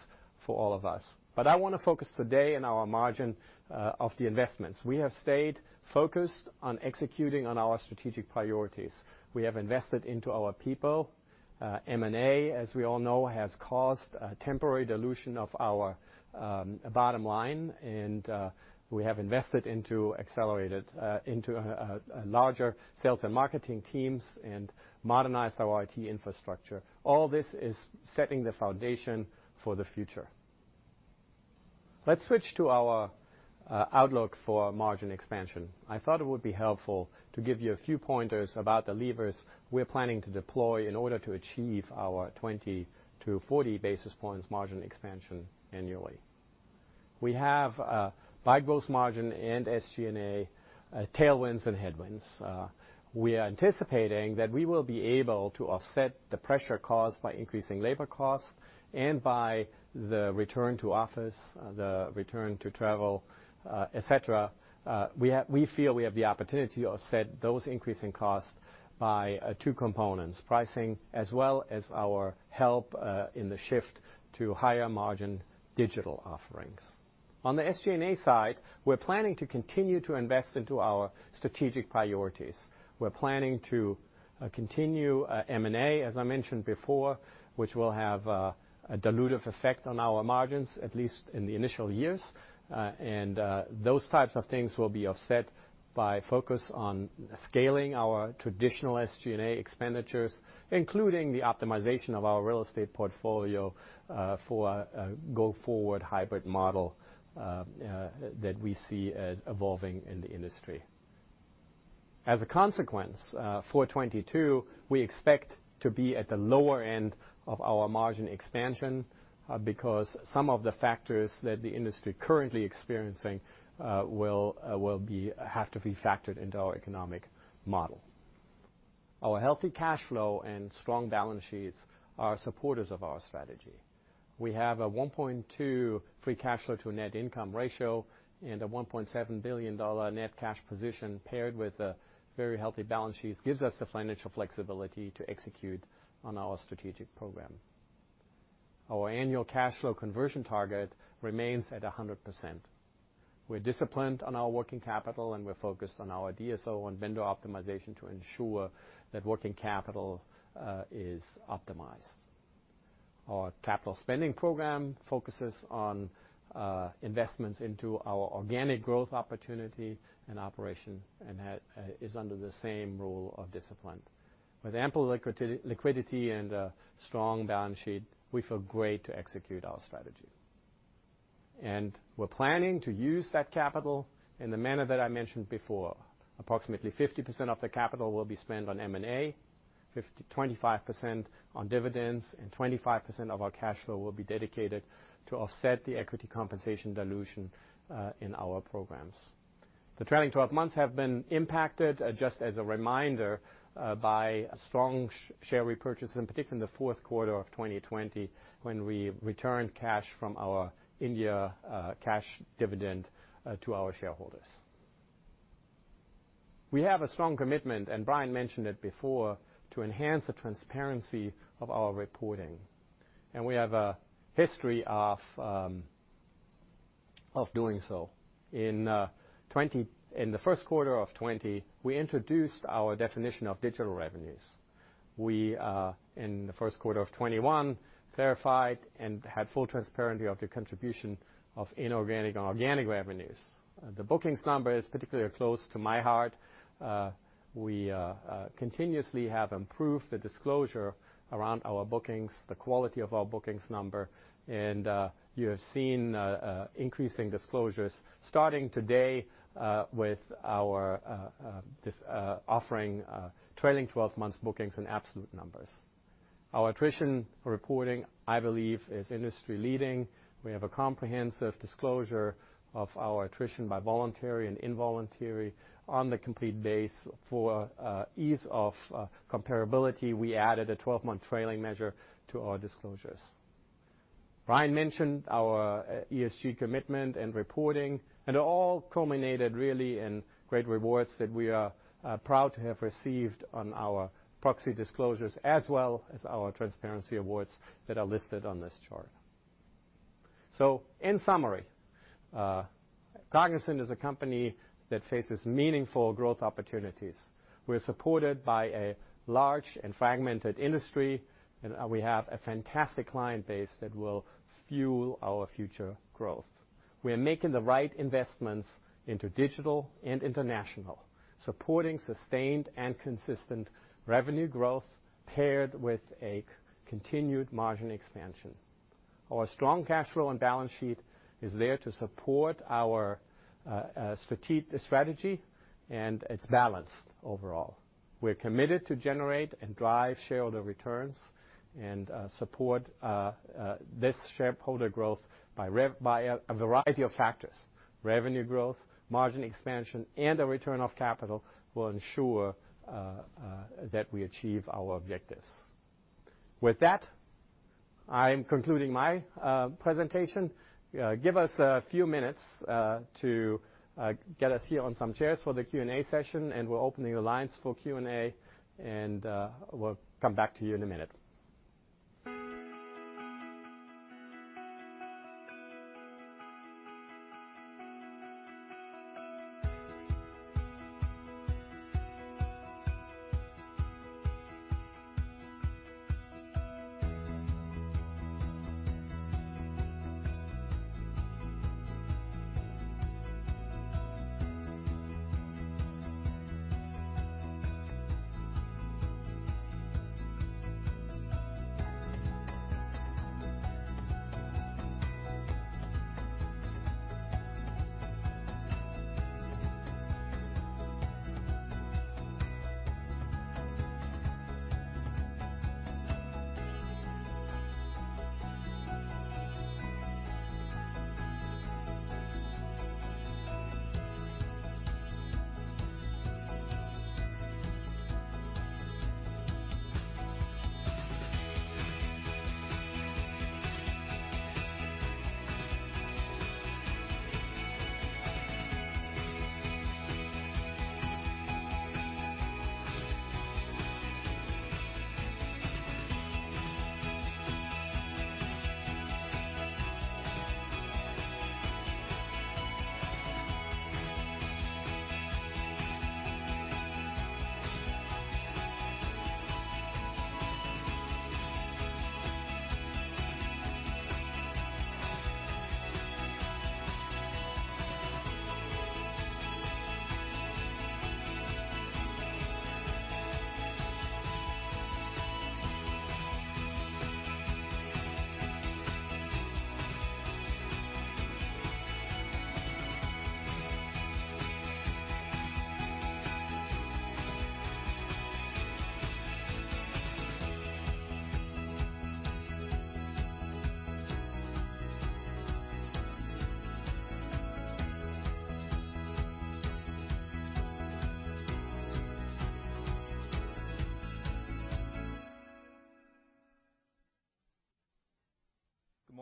for all of us. I wanna focus today on our margin of the investments. We have stayed focused on executing on our strategic priorities. We have invested into our people. M&A, as we all know, has caused a temporary dilution of our bottom line, and we have invested into larger sales and marketing teams and modernized our IT infrastructure. All this is setting the foundation for the future. Let's switch to our outlook for margin expansion. I thought it would be helpful to give you a few pointers about the levers we're planning to deploy in order to achieve our 20-40 basis points margin expansion annually. We have, by growth, margin and SG&A, tailwinds and headwinds. We are anticipating that we will be able to offset the pressure caused by increasing labor costs and by the return to office, the return to travel, et cetera. We feel we have the opportunity to offset those increasing costs by two components, pricing as well as our help in the shift to higher margin digital offerings. On the SG&A side, we're planning to continue to invest into our strategic priorities. We're planning to continue M&A, as I mentioned before, which will have a dilutive effect on our margins, at least in the initial years. Those types of things will be offset by focus on scaling our traditional SG&A expenditures, including the optimization of our real estate portfolio, for a go-forward hybrid model that we see as evolving in the industry. As a consequence, for 2022, we expect to be at the lower end of our margin expansion because some of the factors that the industry is currently experiencing will have to be factored into our economic model. Our healthy cash flow and strong balance sheets are supporters of our strategy. We have a 1.2 free cash flow to net income ratio and a $1.7 billion net cash position paired with a very healthy balance sheet gives us the financial flexibility to execute on our strategic program. Our annual cash flow conversion target remains at 100%. We're disciplined on our working capital, and we're focused on our DSO and vendor optimization to ensure that working capital is optimized. Our capital spending program focuses on investments into our organic growth opportunity and operation, and is under the same rule of discipline. With ample liquidity and a strong balance sheet, we feel great to execute our strategy. We're planning to use that capital in the manner that I mentioned before. Approximately 50% of the capital will be spent on M&A, 25% on dividends, and 25% of our cash flow will be dedicated to offset the equity compensation dilution in our programs. The trailing twelve months have been impacted, just as a reminder, by strong share repurchase, and particularly in the fourth quarter of 2020 when we returned cash from our Indian cash dividend to our shareholders. We have a strong commitment, and Brian mentioned it before, to enhance the transparency of our reporting, and we have a history of doing so. In the first quarter of 2020, we introduced our definition of digital revenues. We in the first quarter of 2021 clarified and had full transparency of the contribution of inorganic and organic revenues. The bookings number is particularly close to my heart. We continuously have improved the disclosure around our bookings, the quality of our bookings number, and you have seen increasing disclosures starting today, with our offering trailing twelve months bookings in absolute numbers. Our attrition reporting, I believe, is industry-leading. We have a comprehensive disclosure of our attrition by voluntary and involuntary on the complete base. For ease of comparability, we added a twelve-month trailing measure to our disclosures. Brian mentioned our ESG commitment and reporting, and it all culminated really in great rewards that we are proud to have received on our proxy disclosures as well as our transparency awards that are listed on this chart. In summary, Cognizant is a company that faces meaningful growth opportunities. We're supported by a large and fragmented industry, and we have a fantastic client base that will fuel our future growth. We are making the right investments into digital and international, supporting sustained and consistent revenue growth paired with a continued margin expansion. Our strong cash flow and balance sheet is there to support our strategy, and it's balanced overall. We're committed to generate and drive shareholder returns and support this shareholder growth by a variety of factors. Revenue growth, margin expansion, and a return of capital will ensure that we achieve our objectives. With that, I'm concluding my presentation. Give us a few minutes to get us here on some chairs for the Q&A session, and we'll open the lines for Q&A, and we'll come back to you in a minute.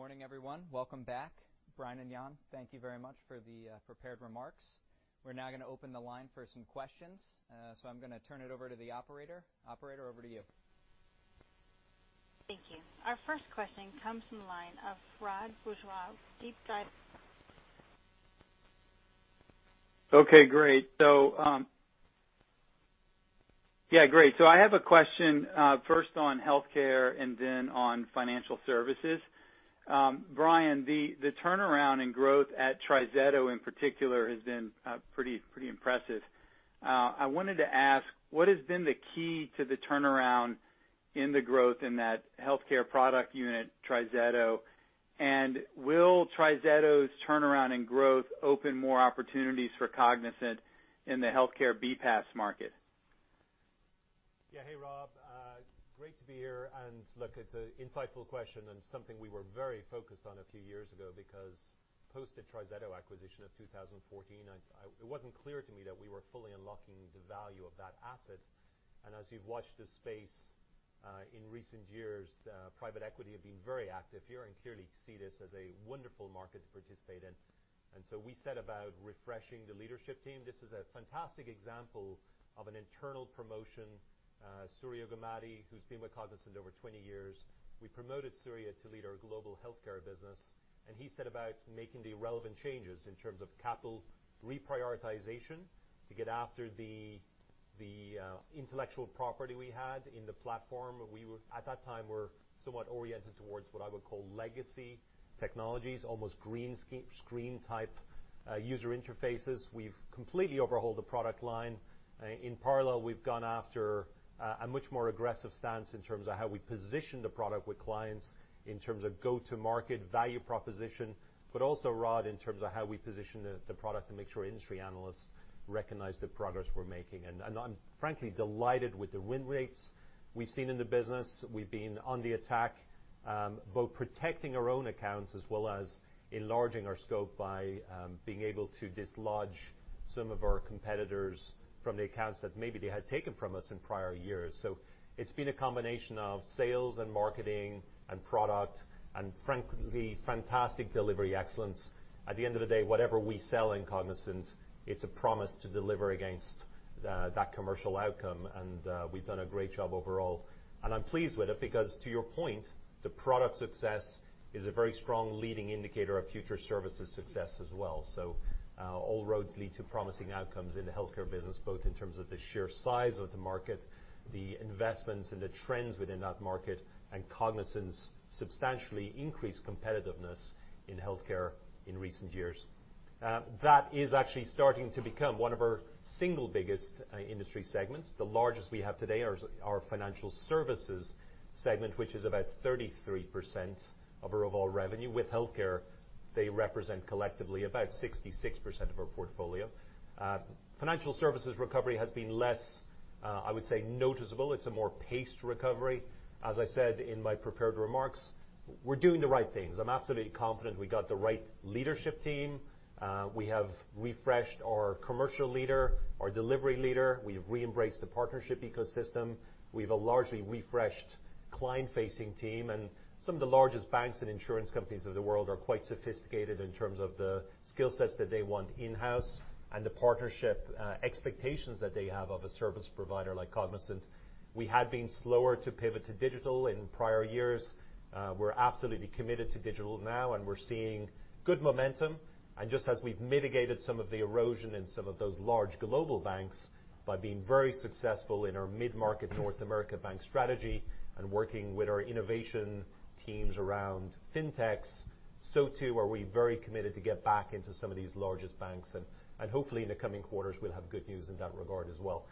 Good morning, everyone. Welcome back. Brian and Jan, thank you very much for the prepared remarks. We're now gonna open the line for some questions. I'm gonna turn it over to the operator. Operator, over to you. Thank you. Our first question comes from the line of Rod Bourgeois, DeepDive. Okay, great. Yeah, great. I have a question, first on healthcare and then on financial services. Brian, the turnaround in growth at TriZetto in particular has been pretty impressive. I wanted to ask, what has been the key to the turnaround in the growth in that healthcare product unit, TriZetto? Will TriZetto's turnaround in growth open more opportunities for Cognizant in the healthcare BPaaS market? Yeah. Hey, Rod. Great to be here. Look, it's an insightful question and something we were very focused on a few years ago because post the TriZetto acquisition of 2014, it wasn't clear to me that we were fully unlocking the value of that asset. As you've watched this space, in recent years, private equity have been very active here and clearly see this as a wonderful market to participate in. We set about refreshing the leadership team. This is a fantastic example of an internal promotion. Surya Gummadi, who's been with Cognizant over 20 years, we promoted Surya to lead our global healthcare business, and he set about making the relevant changes in terms of capital reprioritization to get after the intellectual property we had in the platform. We were at that time somewhat oriented towards what I would call legacy technologies, almost green screen type user interfaces. We've completely overhauled the product line. In parallel, we've gone after a much more aggressive stance in terms of how we position the product with clients, in terms of go-to-market value proposition, but also, Rod, in terms of how we position the product to make sure industry analysts recognize the progress we're making. I'm frankly delighted with the win rates we've seen in the business. We've been on the attack, both protecting our own accounts as well as enlarging our scope by being able to dislodge some of our competitors from the accounts that maybe they had taken from us in prior years. It's been a combination of sales and marketing and product and frankly, fantastic delivery excellence. At the end of the day, whatever we sell in Cognizant, it's a promise to deliver against that commercial outcome, and we've done a great job overall. I'm pleased with it because to your point, the product success is a very strong leading indicator of future services success as well. All roads lead to promising outcomes in the Healthcare business, both in terms of the sheer size of the market, the investments and the trends within that market, and Cognizant's substantially increased competitiveness in Healthcare in recent years. That is actually starting to become one of our single biggest industry segments. The largest we have today are our Financial Services segment, which is about 33% of our overall revenue. With Healthcare, they represent collectively about 66% of our portfolio. Financial services recovery has been less, I would say noticeable. It's a more paced recovery. As I said in my prepared remarks, we're doing the right things. I'm absolutely confident we got the right leadership team. We have refreshed our commercial leader, our delivery leader. We've re-embraced the partnership ecosystem. We have a largely refreshed client-facing team, and some of the largest banks and insurance companies of the world are quite sophisticated in terms of the skill sets that they want in-house and the partnership expectations that they have of a service provider like Cognizant. We had been slower to pivot to digital in prior years. We're absolutely committed to digital now, and we're seeing good momentum. Just as we've mitigated some of the erosion in some of those large global banks by being very successful in our mid-market North America bank strategy and working with our innovation teams around fintechs, so too are we very committed to get back into some of these largest banks. Hopefully in the coming quarters, we'll have good news in that regard as well.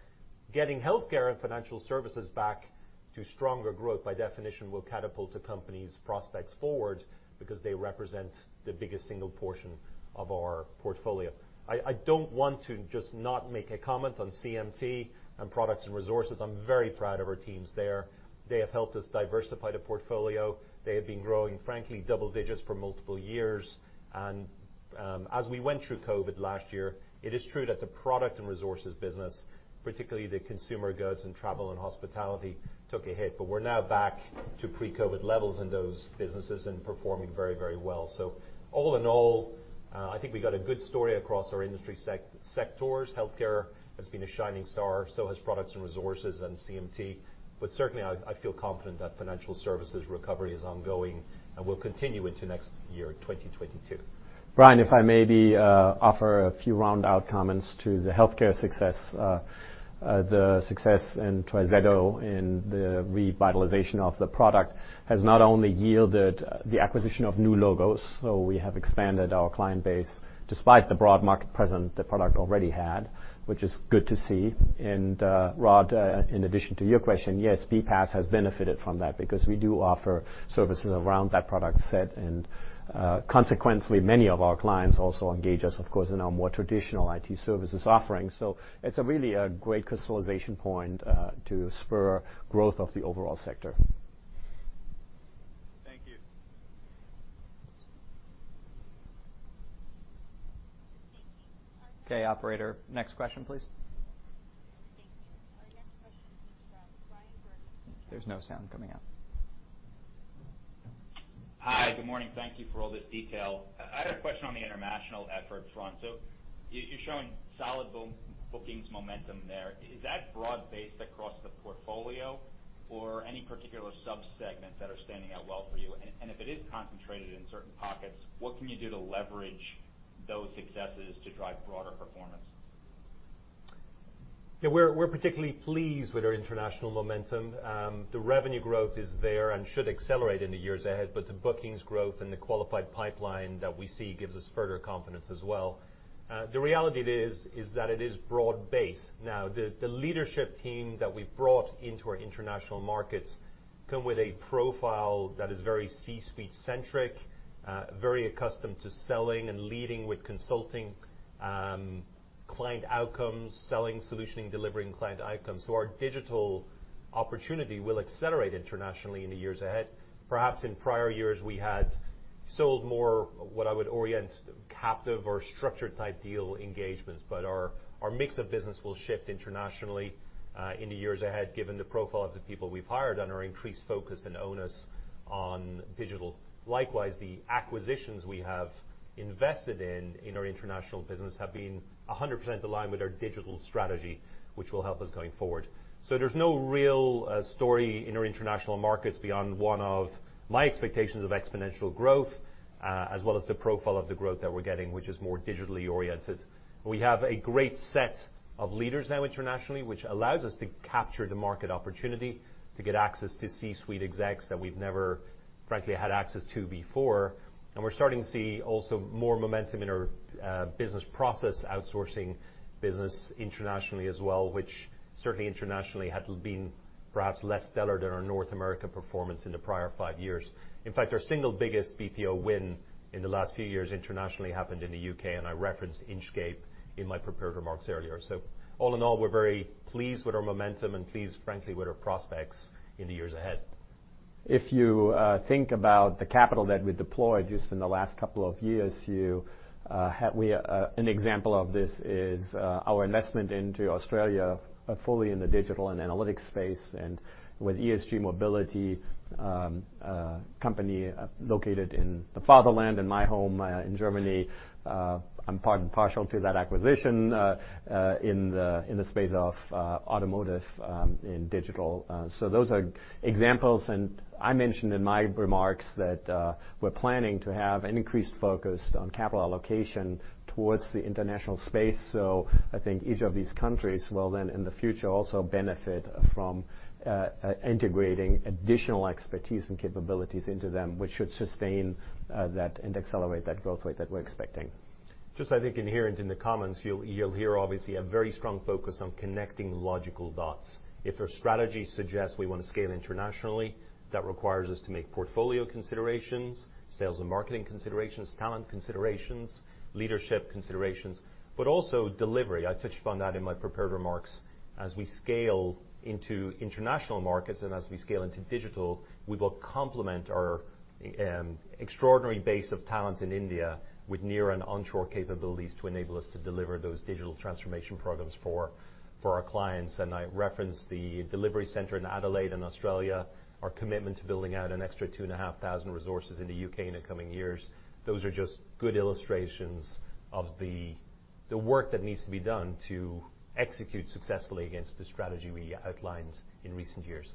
Getting healthcare and financial services back to stronger growth, by definition, will catapult a company's prospects forward because they represent the biggest single portion of our portfolio. I don't want to just not make a comment on CMT and Products and Resources. I'm very proud of our teams there. They have helped us diversify the portfolio. They have been growing, frankly, double digits for multiple years. As we went through COVID last year, it is true that the Products and Resources business, particularly the consumer goods and travel and hospitality, took a hit, but we're now back to pre-COVID levels in those businesses and performing very, very well. All in all, I think we got a good story across our industry sectors. Healthcare has been a shining star, so has Products and Resources and CMT. But certainly I feel confident that financial services recovery is ongoing and will continue into next year, 2022. Brian, if I may offer a few round out comments to the healthcare success. The success in TriZetto in the revitalization of the product has not only yielded the acquisition of new logos, so we have expanded our client base despite the broad market presence the product already had, which is good to see. Rod, in addition to your question, yes, BPaaS has benefited from that because we do offer services around that product set. Consequently, many of our clients also engage us, of course, in our more traditional IT services offerings. It's a really great crystallization point to spur growth of the overall sector. Thank you. Okay, operator, next question, please. Thank you. Our next question is from Bryan Bergin with- There's no sound coming out. Hi. Good morning. Thank you for all this detail. I had a question on the international effort front. You're showing solid bookings momentum there. Is that broad-based across the portfolio or any particular sub-segments that are standing out well for you? If it is concentrated in certain pockets, what can you do to leverage those successes to drive broader performance? Yeah, we're particularly pleased with our international momentum. The revenue growth is there and should accelerate in the years ahead, but the bookings growth and the qualified pipeline that we see gives us further confidence as well. The reality is that it is broad-based. Now, the leadership team that we've brought into our international markets come with a profile that is very C-suite centric, very accustomed to selling and leading with consulting, client outcomes, selling solutioning, delivering client outcomes. Our digital opportunity will accelerate internationally in the years ahead. Perhaps in prior years, we had sold more what I would orient captive or structured type deal engagements. Our mix of business will shift internationally, in the years ahead, given the profile of the people we've hired on our increased focus and onus on digital. Likewise, the acquisitions we have invested in our international business have been 100% aligned with our digital strategy, which will help us going forward. There's no real story in our international markets beyond one of my expectations of exponential growth, as well as the profile of the growth that we're getting, which is more digitally oriented. We have a great set of leaders now internationally, which allows us to capture the market opportunity to get access to C-suite execs that we've never frankly had access to before. We're starting to see also more momentum in our business process outsourcing business internationally as well, which certainly internationally had been perhaps less stellar than our North America performance in the prior five years. In fact, our single biggest BPO win in the last few years internationally happened in the U.K., and I referenced Inchcape in my prepared remarks earlier. All in all, we're very pleased with our momentum and pleased, frankly, with our prospects in the years ahead. If you think about the capital that we deployed just in the last couple of years, an example of this is our investment into Australia, fully in the digital and analytics space and with ESG Mobility, a company located in the fatherland, in my home, in Germany. I'm partial to that acquisition in the space of automotive in digital. Those are examples, and I mentioned in my remarks that we're planning to have an increased focus on capital allocation towards the international space. I think each of these countries will then, in the future, also benefit from integrating additional expertise and capabilities into them, which should sustain that and accelerate that growth rate that we're expecting. I think inherent in the comments, you'll hear obviously a very strong focus on connecting logical dots. If our strategy suggests we want to scale internationally, that requires us to make portfolio considerations, sales and marketing considerations, talent considerations, leadership considerations, but also delivery. I touched upon that in my prepared remarks. As we scale into international markets and as we scale into digital, we will complement our extraordinary base of talent in India with near and onshore capabilities to enable us to deliver those digital transformation programs for our clients. I referenced the delivery c enter in Adelaide, Australia, our commitment to building out an extra 2,500 resources in the U.K. in the coming years. Those are just good illustrations of the work that needs to be done to execute successfully against the strategy we outlined in recent years.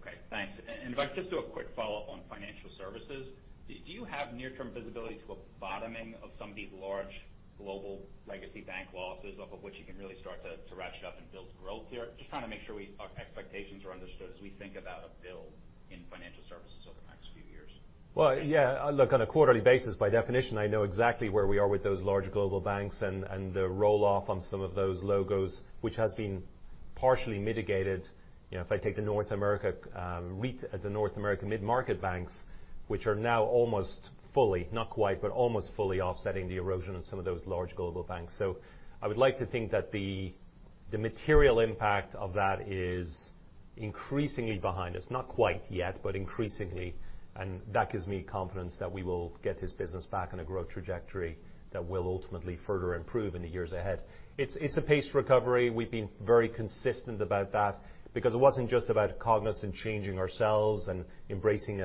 Okay, thanks. If I could just do a quick follow-up on financial services. Do you have near-term visibility to a bottoming of some of these large global legacy bank losses off of which you can really start to ratchet up and build growth here? Just trying to make sure our expectations are understood as we think about a build in financial services over the next few years. Well, yeah, look, on a quarterly basis, by definition, I know exactly where we are with those large global banks and the roll-off on some of those logos, which has been partially mitigated. You know, if I take the North American revenue at the North American mid-market banks, which are now almost fully, not quite, but almost fully offsetting the erosion of some of those large global banks. I would like to think that the material impact of that is increasingly behind us, not quite yet, but increasingly, and that gives me confidence that we will get this business back on a growth trajectory that will ultimately further improve in the years ahead. It's a paced recovery. We've been very consistent about that because it wasn't just about Cognizant changing ourselves and embracing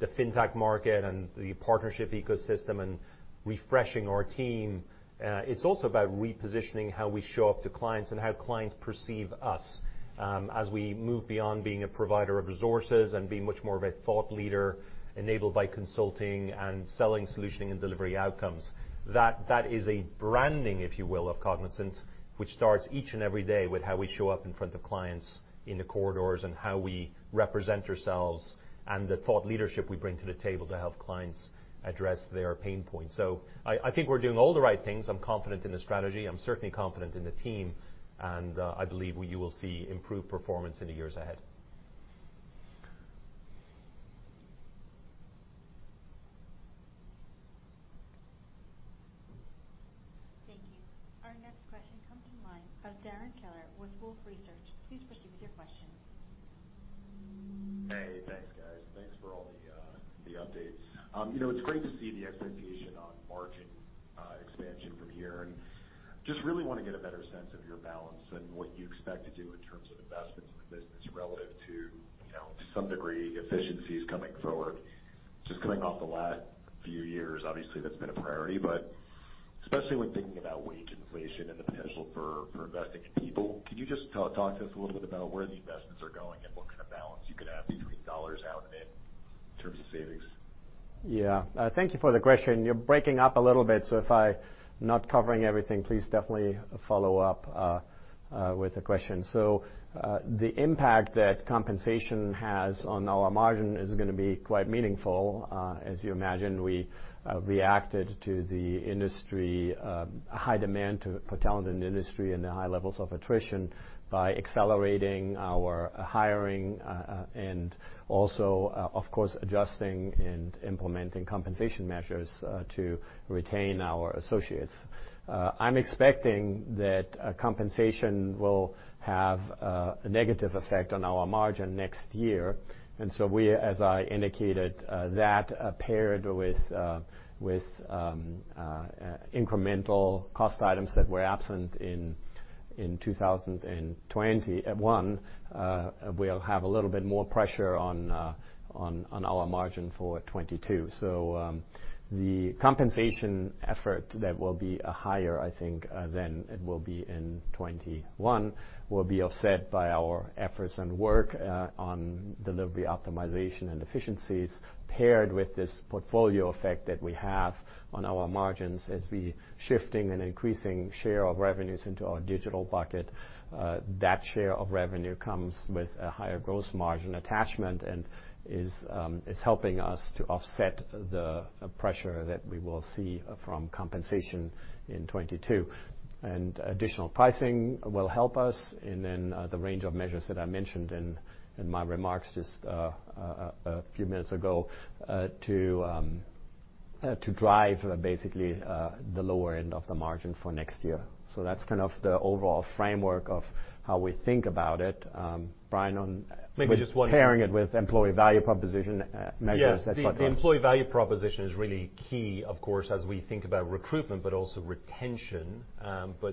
the fintech market and the partnership ecosystem and refreshing our team. It's also about repositioning how we show up to clients and how clients perceive us, as we move beyond being a provider of resources and being much more of a thought leader enabled by consulting and selling solution and delivery outcomes. That is a branding, if you will, of Cognizant, which starts each and every day with how we show up in front of clients in the corridors and how we represent ourselves and the thought leadership we bring to the table to help clients address their pain points. I think we're doing all the right things. I'm confident in the strategy. I'm certainly confident in the team, and I believe you will see improved performance in the years ahead. Thank you. Our next question comes from Ashwin Shirvaikar with Wolfe Research. Please proceed with your question. Hey, thanks, guys. Thanks for all the updates. You know, it's great to see the expectation on margin expansion from here, and just really wanna get a better sense of your balance and what you expect to do in terms of investments in the business relative to, you know, to some degree, efficiencies coming forward. Just coming off the last few years, obviously, that's been a priority, but especially when thinking about wage inflation and the potential for investing in people, could you just talk to us a little bit about where the investments are going and what kind of balance you could have between dollars out and in in terms of savings? Yeah. Thank you for the question. You're breaking up a little bit, so if I'm not covering everything, please definitely follow up with a question. The impact that compensation has on our margin is gonna be quite meaningful. As you imagine, we reacted to the industry high demand for talent in the industry and the high levels of attrition by accelerating our hiring and also, of course, adjusting and implementing compensation measures to retain our associates. I'm expecting that compensation will have a negative effect on our margin next year, and so we, as I indicated, that paired with incremental cost items that were absent in 2021, we'll have a little bit more pressure on our margin for 2022. The compensation effort that will be higher, I think, than it will be in 2021 will be offset by our efforts and work on delivery optimization and efficiencies paired with this portfolio effect that we have on our margins as we shifting and increasing share of revenues into our digital bucket. That share of revenue comes with a higher gross margin attachment and is helping us to offset the pressure that we will see from compensation in 2022. Additional pricing will help us, and then the range of measures that I mentioned in my remarks just a few minutes ago to drive basically the lower end of the margin for next year. That's kind of the overall framework of how we think about it. Brian, on- Maybe just one- We're pairing it with employee value proposition measures et cetera. Yeah. The employee value proposition is really key, of course, as we think about recruitment but also retention.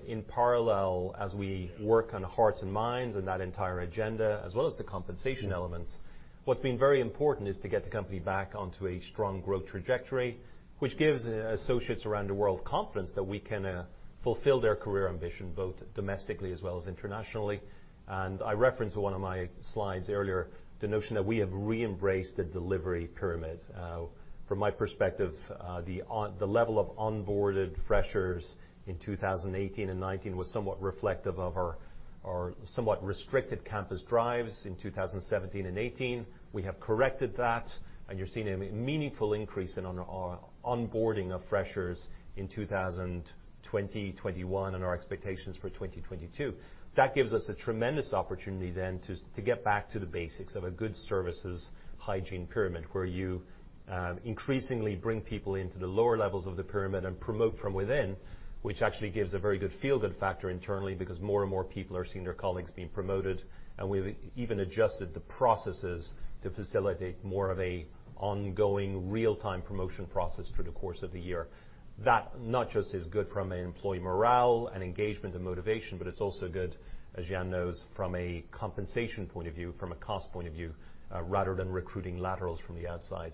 In parallel, as we work on hearts and minds and that entire agenda, as well as the compensation elements, what's been very important is to get the company back onto a strong growth trajectory, which gives associates around the world confidence that we can fulfill their career ambition, both domestically as well as internationally. I referenced in one of my slides earlier the notion that we have re-embraced the delivery pyramid. From my perspective, the level of onboarded freshers in 2018 and 2019 was somewhat reflective of our somewhat restricted campus drives in 2017 and 2018. We have corrected that, and you're seeing a meaningful increase in our onboarding of freshers in 2020, 2021, and our expectations for 2022. That gives us a tremendous opportunity then to get back to the basics of a good services hygiene pyramid, where you increasingly bring people into the lower levels of the pyramid and promote from within, which actually gives a very good feel-good factor internally because more and more people are seeing their colleagues being promoted, and we've even adjusted the processes to facilitate more of an ongoing real-time promotion process through the course of the year. That not just is good from an employee morale and engagement and motivation, but it's also good, as Jan knows, from a compensation point of view, from a cost point of view, rather than recruiting laterals from the outside.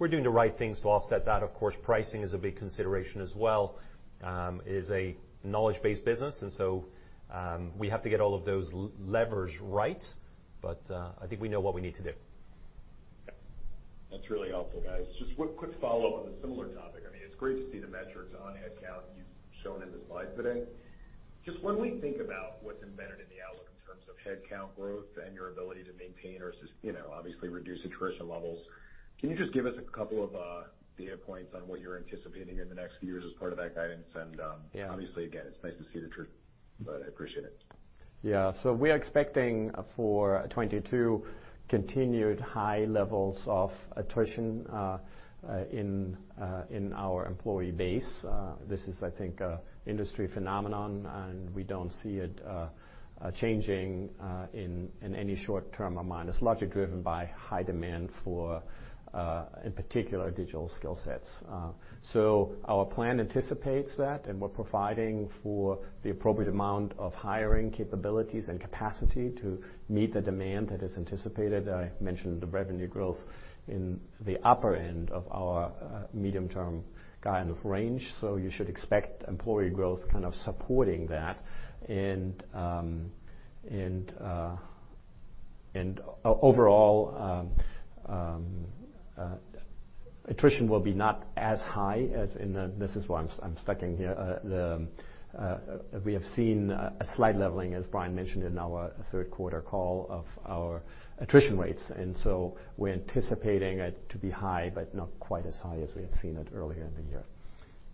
We're doing the right things to offset that. Of course, pricing is a big consideration as well. It is a knowledge-based business, so we have to get all of those levers right. I think we know what we need to do. That's really helpful, guys. Just one quick follow on a similar topic. I mean, it's great to see the metrics on headcount you've shown in the slides today. Just when we think about what's embedded in the outlook in terms of headcount growth and your ability to maintain or, you know, obviously, reduce attrition levels, can you just give us a couple of data points on what you're anticipating in the next few years as part of that guidance? Yeah. Obviously, again, it's nice to see the truth, but I appreciate it. We're expecting for 2022 continued high levels of attrition in our employee base. This is, I think, an industry phenomenon, and we don't see it changing in any short term in mind. It's largely driven by high demand for, in particular, digital skill sets. Our plan anticipates that, and we're providing for the appropriate amount of hiring capabilities and capacity to meet the demand that is anticipated. I mentioned the revenue growth in the upper end of our medium-term kind of range. You should expect employee growth kind of supporting that. Overall, attrition will not be as high as in the. We have seen a slight leveling, as Brian mentioned in our third quarter call, of our attrition rates. We're anticipating it to be high, but not quite as high as we had seen it earlier in the year.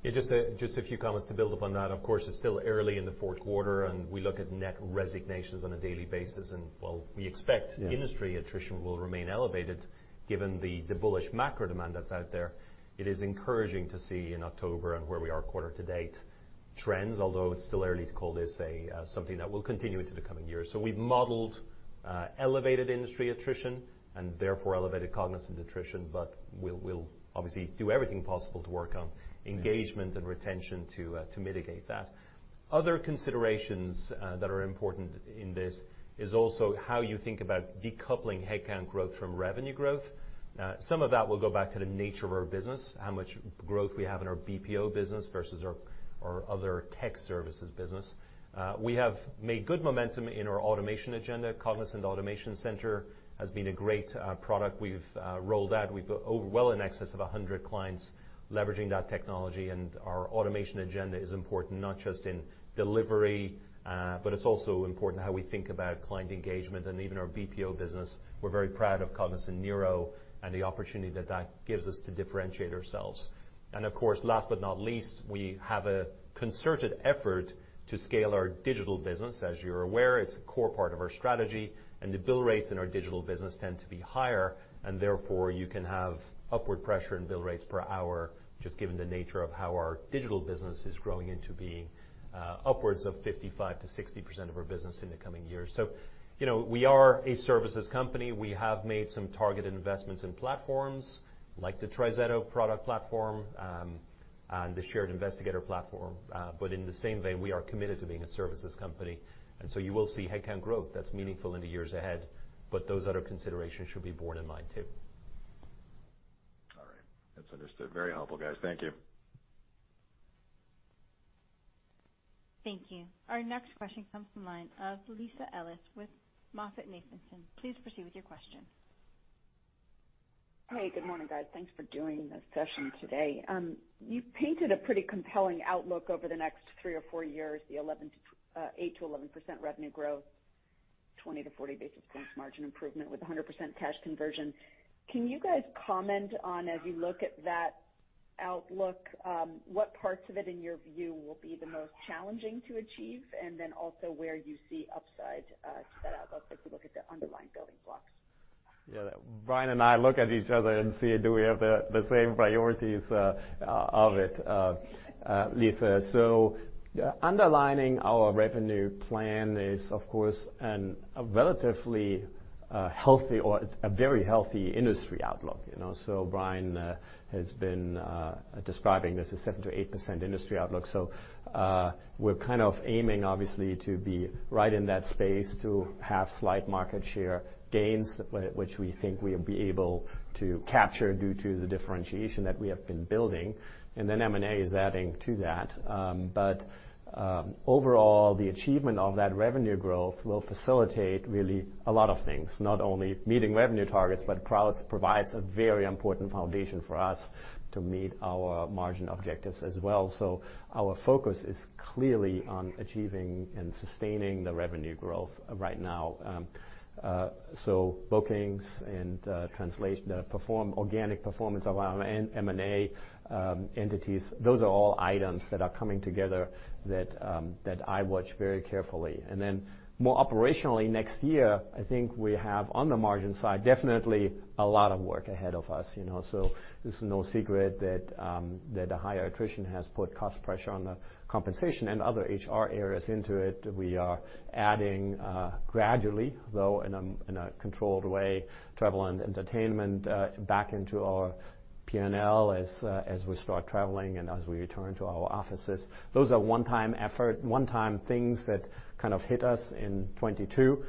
Yeah. Just a few comments to build upon that. Of course, it's still early in the fourth quarter, and we look at net resignations on a daily basis. While we expect- Yeah. Industry attrition will remain elevated given the bullish macro demand that's out there. It is encouraging to see in October and where we are quarter to date trends, although it's still early to call this a something that will continue into the coming years. We've modeled elevated industry attrition and therefore elevated Cognizant attrition, but we'll obviously do everything possible to work on engagement and retention to mitigate that. Other considerations that are important in this is also how you think about decoupling headcount growth from revenue growth. Some of that will go back to the nature of our business, how much growth we have in our BPO business versus our other tech services business. We have made good momentum in our automation agenda. Cognizant Automation Center has been a great product we've rolled out. We've got over well in excess of 100 clients leveraging that technology, and our automation agenda is important not just in delivery, but it's also important how we think about client engagement and even our BPO business. We're very proud of Cognizant Neuro and the opportunity that that gives us to differentiate ourselves. Of course, last but not least, we have a concerted effort to scale our digital business. As you're aware, it's a core part of our strategy, and the bill rates in our digital business tend to be higher, and therefore, you can have upward pressure in bill rates per hour, just given the nature of how our digital business is growing into being, upwards of 55%-60% of our business in the coming years. You know, we are a services company. We have made some targeted investments in platforms like the TriZetto product platform, and the Shared Investigator Platform. In the same vein, we are committed to being a services company, and so you will see headcount growth that's meaningful in the years ahead, but those other considerations should be borne in mind too. All right. That's understood. Very helpful, guys. Thank you. Thank you. Our next question comes from the line of Lisa Ellis with MoffettNathanson. Please proceed with your question. Hey, good morning, guys. Thanks for doing this session today. You've painted a pretty compelling outlook over the next three or four years, the 8%-11% revenue growth, 20-40 basis points margin improvement with 100% cash conversion. Can you guys comment on, as you look at that outlook, what parts of it in your view will be the most challenging to achieve, and then also where you see upside, to that outlook as you look at the underlying building blocks? Yeah. Brian and I look at each other and see, do we have the same priorities, Lisa. Underlining our revenue plan is, of course, a relatively healthy or a very healthy industry outlook, you know. Brian has been describing this as 7%-8% industry outlook. We're kind of aiming obviously to be right in that space to have slight market share gains, which we think we'll be able to capture due to the differentiation that we have been building. Then M&A is adding to that. Overall, the achievement of that revenue growth will facilitate really a lot of things, not only meeting revenue targets, but provides a very important foundation for us to meet our margin objectives as well. Our focus is clearly on achieving and sustaining the revenue growth right now. Bookings and translation, organic performance of our M&A entities, those are all items that are coming together that I watch very carefully. Then more operationally next year, I think we have on the margin side, definitely a lot of work ahead of us, you know. This is no secret that a higher attrition has put cost pressure on the compensation and other HR areas into it. We are adding gradually, though in a controlled way, travel and entertainment back into our P&L as we start traveling and as we return to our offices. Those are one-time effort, one-time things that kind of hit us in 2022.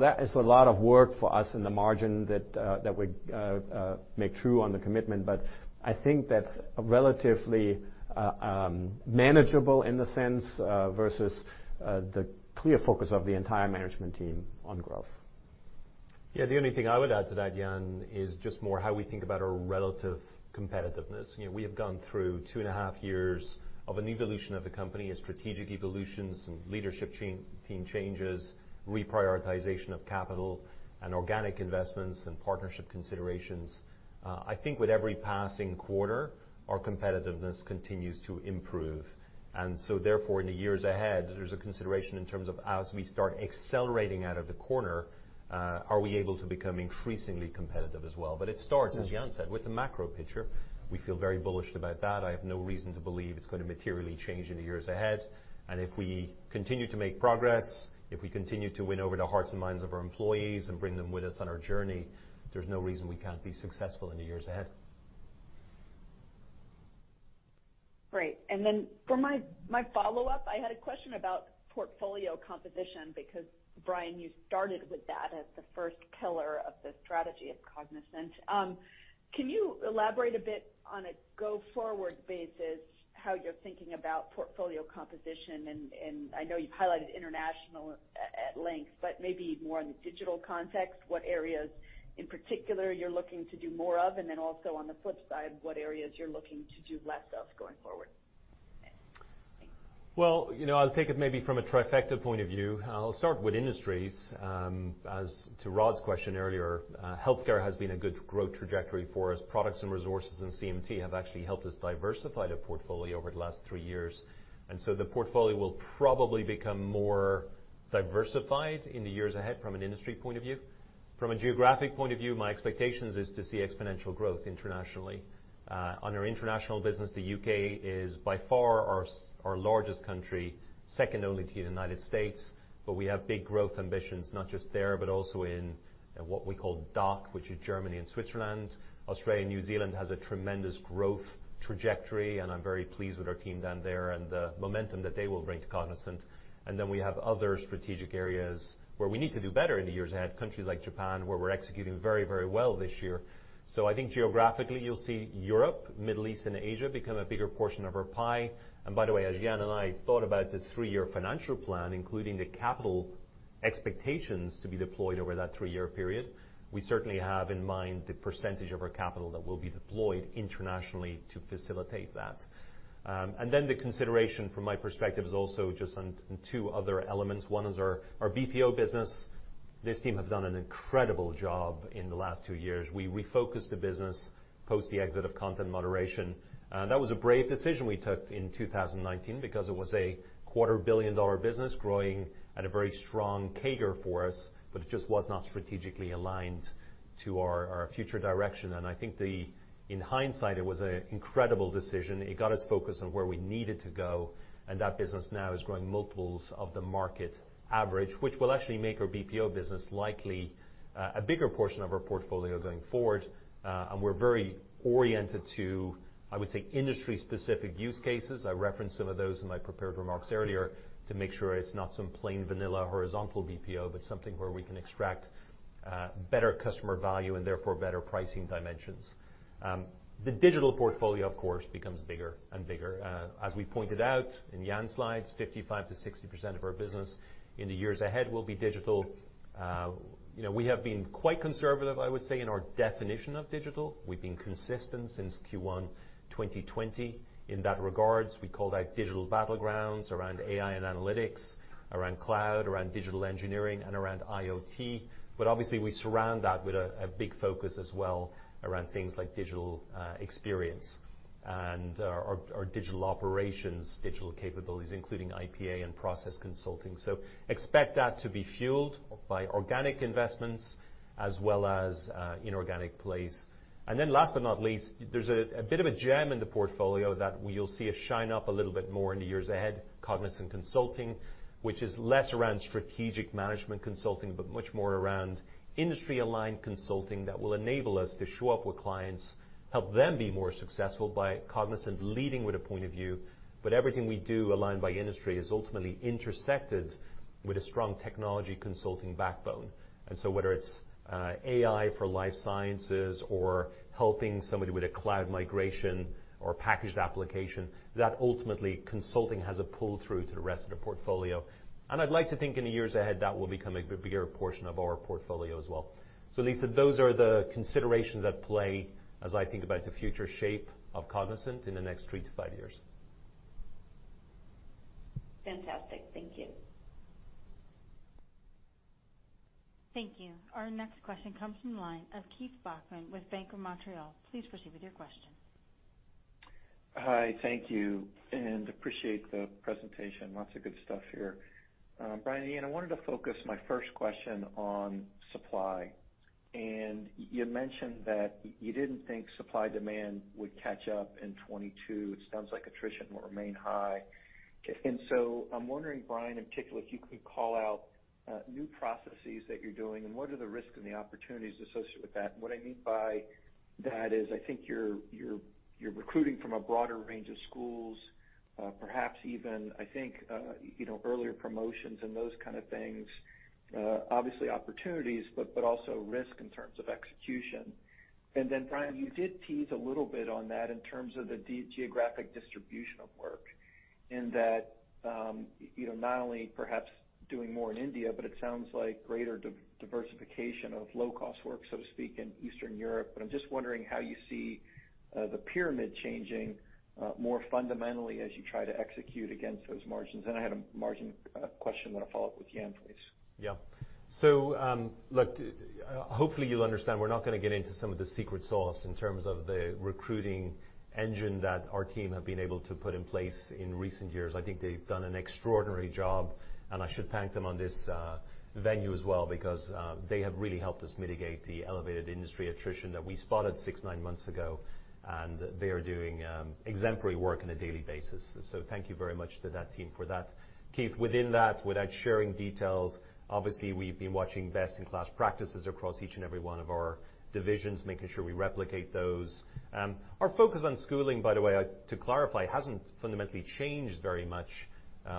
That is a lot of work for us in the margins that we make good on the commitment. I think that's relatively manageable in a sense versus the clear focus of the entire management team on growth. Yeah. The only thing I would add to that, Jan, is just more on how we think about our relative competitiveness. You know, we have gone through two and a half years of an evolution of the company, a strategic evolution and leadership team changes, reprioritization of capital and organic investments and partnership considerations. I think with every passing quarter, our competitiveness continues to improve. Therefore, in the years ahead, there's a consideration in terms of as we start accelerating out of the corner, are we able to become increasingly competitive as well? It starts, as Jan said, with the macro picture. We feel very bullish about that. I have no reason to believe it's gonna materially change in the years ahead. And if we continue to make progress, if we continue to win over the hearts and minds of our employees and bring them with us on our journey, there's no reason we can't be successful in the years ahead. Great. For my follow-up, I had a question about portfolio composition, because Brian, you started with that as the first pillar of the strategy at Cognizant. Can you elaborate a bit on a go-forward basis, how you're thinking about portfolio composition? I know you've highlighted international at length, but maybe more in the digital context, what areas in particular you're looking to do more of, and then also on the flip side, what areas you're looking to do less of going forward. Well, you know, I'll take it maybe from a trifecta point of view. I'll start with industries. As to Rod's question earlier, healthcare has been a good growth trajectory for us. Products and resources and CMT have actually helped us diversify the portfolio over the last three years. The portfolio will probably become more diversified in the years ahead from an industry point of view. From a geographic point of view, my expectations is to see exponential growth internationally. On our international business, the U.K. is by far our largest country, second only to the United States, but we have big growth ambitions, not just there, but also in what we call DACH, which is Germany and Switzerland. Australia and New Zealand has a tremendous growth trajectory, and I'm very pleased with our team down there, and the momentum that they will bring to Cognizant. Then we have other strategic areas where we need to do better in the years ahead, countries like Japan, where we're executing very, very well this year. I think geographically, you'll see Europe, Middle East, and Asia become a bigger portion of our pie. By the way, as Jan and I thought about the three-year financial plan, including the capital expectations to be deployed over that three-year period, we certainly have in mind the percentage of our capital that will be deployed internationally to facilitate that. Then the consideration from my perspective is also just on two other elements. One is our BPO business. This team have done an incredible job in the last two years. We refocused the business, post the exit of content moderation. That was a brave decision we took in 2019 because it was a quarter billion-dollar business growing at a very strong CAGR for us, but it just was not strategically aligned to our future direction. In hindsight, it was an incredible decision. It got us focused on where we needed to go, and that business now is growing multiples of the market average, which will actually make our BPO business likely a bigger portion of our portfolio going forward. We're very oriented to, I would say, industry-specific use cases, I referenced some of those in my prepared remarks earlier, to make sure it's not some plain vanilla horizontal BPO, but something where we can extract better customer value and therefore better pricing dimensions. The digital portfolio, of course, becomes bigger and bigger. As we pointed out in Jan's slides, 55%-60% of our business in the years ahead will be digital. You know, we have been quite conservative, I would say, in our definition of digital. We've been consistent since Q1 2020 in that regard. We call that digital battlegrounds around AI and analytics, around cloud, around digital engineering, and around IoT. Obviously, we surround that with a big focus as well around things like digital experience and or digital operations, digital capabilities, including IPA and process consulting. Expect that to be fueled by organic investments as well as inorganic plays. Last but not least, there's a bit of a gem in the portfolio that we'll see shine up a little bit more in the years ahead, Cognizant Consulting, which is less around strategic management consulting, but much more around industry-aligned consulting that will enable us to show up with clients, help them be more successful by Cognizant leading with a point of view. Everything we do aligned by industry is ultimately intersected with a strong technology consulting backbone. Whether it's AI for life sciences or helping somebody with a cloud migration or packaged application, that ultimately consulting has a pull-through to the rest of the portfolio. I'd like to think in the years ahead, that will become a bigger portion of our portfolio as well. Lisa, those are the considerations at play as I think about the future shape of Cognizant in the next 3-5 years. Fantastic. Thank you. Thank you. Our next question comes from the line of Keith Bachman with Bank of Montreal. Please proceed with your question. Hi. Thank you, and appreciate the presentation. Lots of good stuff here. Brian, Jan, I wanted to focus my first question on supply. You mentioned that you didn't think supply and demand would catch up in 2022. It sounds like attrition will remain high. I'm wondering, Brian, in particular, if you could call out new processes that you're doing, and what are the risks and the opportunities associated with that? What I mean by that is, I think you're recruiting from a broader range of schools, perhaps even, I think, you know, earlier promotions and those kind of things. Obviously opportunities, but also risk in terms of execution. Then Brian, you did tease a little bit on that in terms of the geographic distribution of work in that, you know, not only perhaps doing more in India, but it sounds like greater diversification of low-cost work, so to speak, in Eastern Europe. I'm just wondering how you see the pyramid changing more fundamentally as you try to execute against those margins. I had a margin question I wanna follow up with Jan, please. Yeah. Look, hopefully you'll understand we're not gonna get into some of the secret sauce in terms of the recruiting engine that our team have been able to put in place in recent years. I think they've done an extraordinary job, and I should thank them on this venue as well because they have really helped us mitigate the elevated industry attrition that we spotted 6-9 months ago, and they are doing exemplary work on a daily basis. Thank you very much to that team for that. Keith, within that, without sharing details, obviously we've been watching best-in-class practices across each and every one of our divisions, making sure we replicate those. Our focus on skilling, by the way, to clarify, hasn't fundamentally changed very much.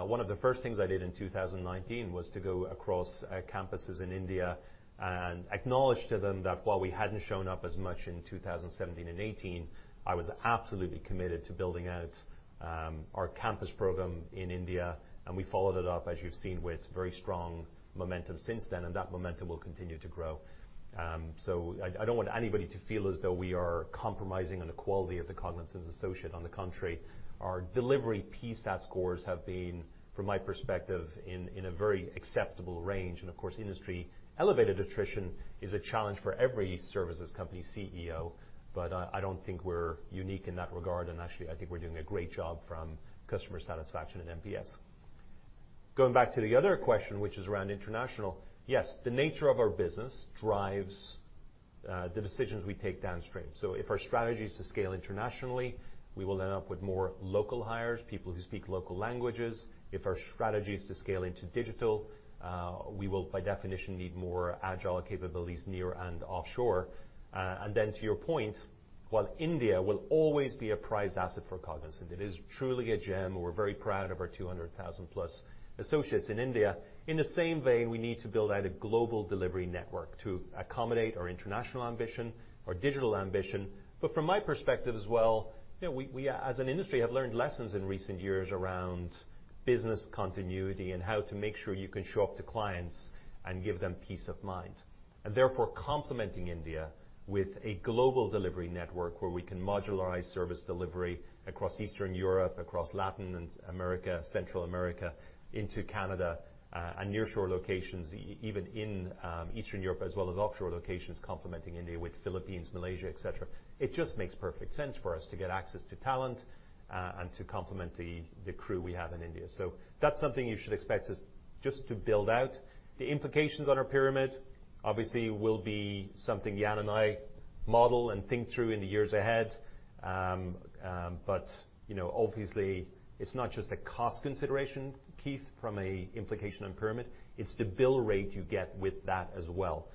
One of the first things I did in 2019 was to go across campuses in India and acknowledge to them that while we hadn't shown up as much in 2017 and 18, I was absolutely committed to building out our campus program in India. We followed it up, as you've seen, with very strong momentum since then, and that momentum will continue to grow. I don't want anybody to feel as though we are compromising on the quality of the Cognizant associate. On the contrary, our delivery CSAT scores have been, from my perspective, in a very acceptable range. Of course, industry-elevated attrition is a challenge for every services company CEO, but I don't think we're unique in that regard. Actually, I think we're doing a great job from customer satisfaction and NPS. Going back to the other question, which is around international, yes, the nature of our business drives the decisions we take downstream. If our strategy is to scale internationally, we will end up with more local hires, people who speak local languages. If our strategy is to scale into digital, we will, by definition, need more agile capabilities near and offshore. And then to your point, while India will always be a prized asset for Cognizant, it is truly a gem, and we're very proud of our 200,000+ associates in India. In the same vein, we need to build out a global delivery network to accommodate our international ambition, our digital ambition. From my perspective as well, you know, we as an industry have learned lessons in recent years around business continuity and how to make sure you can show up to clients and give them peace of mind, therefore complementing India with a global delivery network where we can modularize service delivery across Eastern Europe, across Latin America, Central America, into Canada, and nearshore locations, even in Eastern Europe, as well as offshore locations complementing India with Philippines, Malaysia, et cetera. It just makes perfect sense for us to get access to talent and to complement the crew we have in India. That's something you should expect us just to build out. The implications on our pyramid obviously will be something Jan and I model and think through in the years ahead. You know, obviously it's not just a cost consideration, Keith, from an implication on pyramid. It's the bill rate you get with that as well.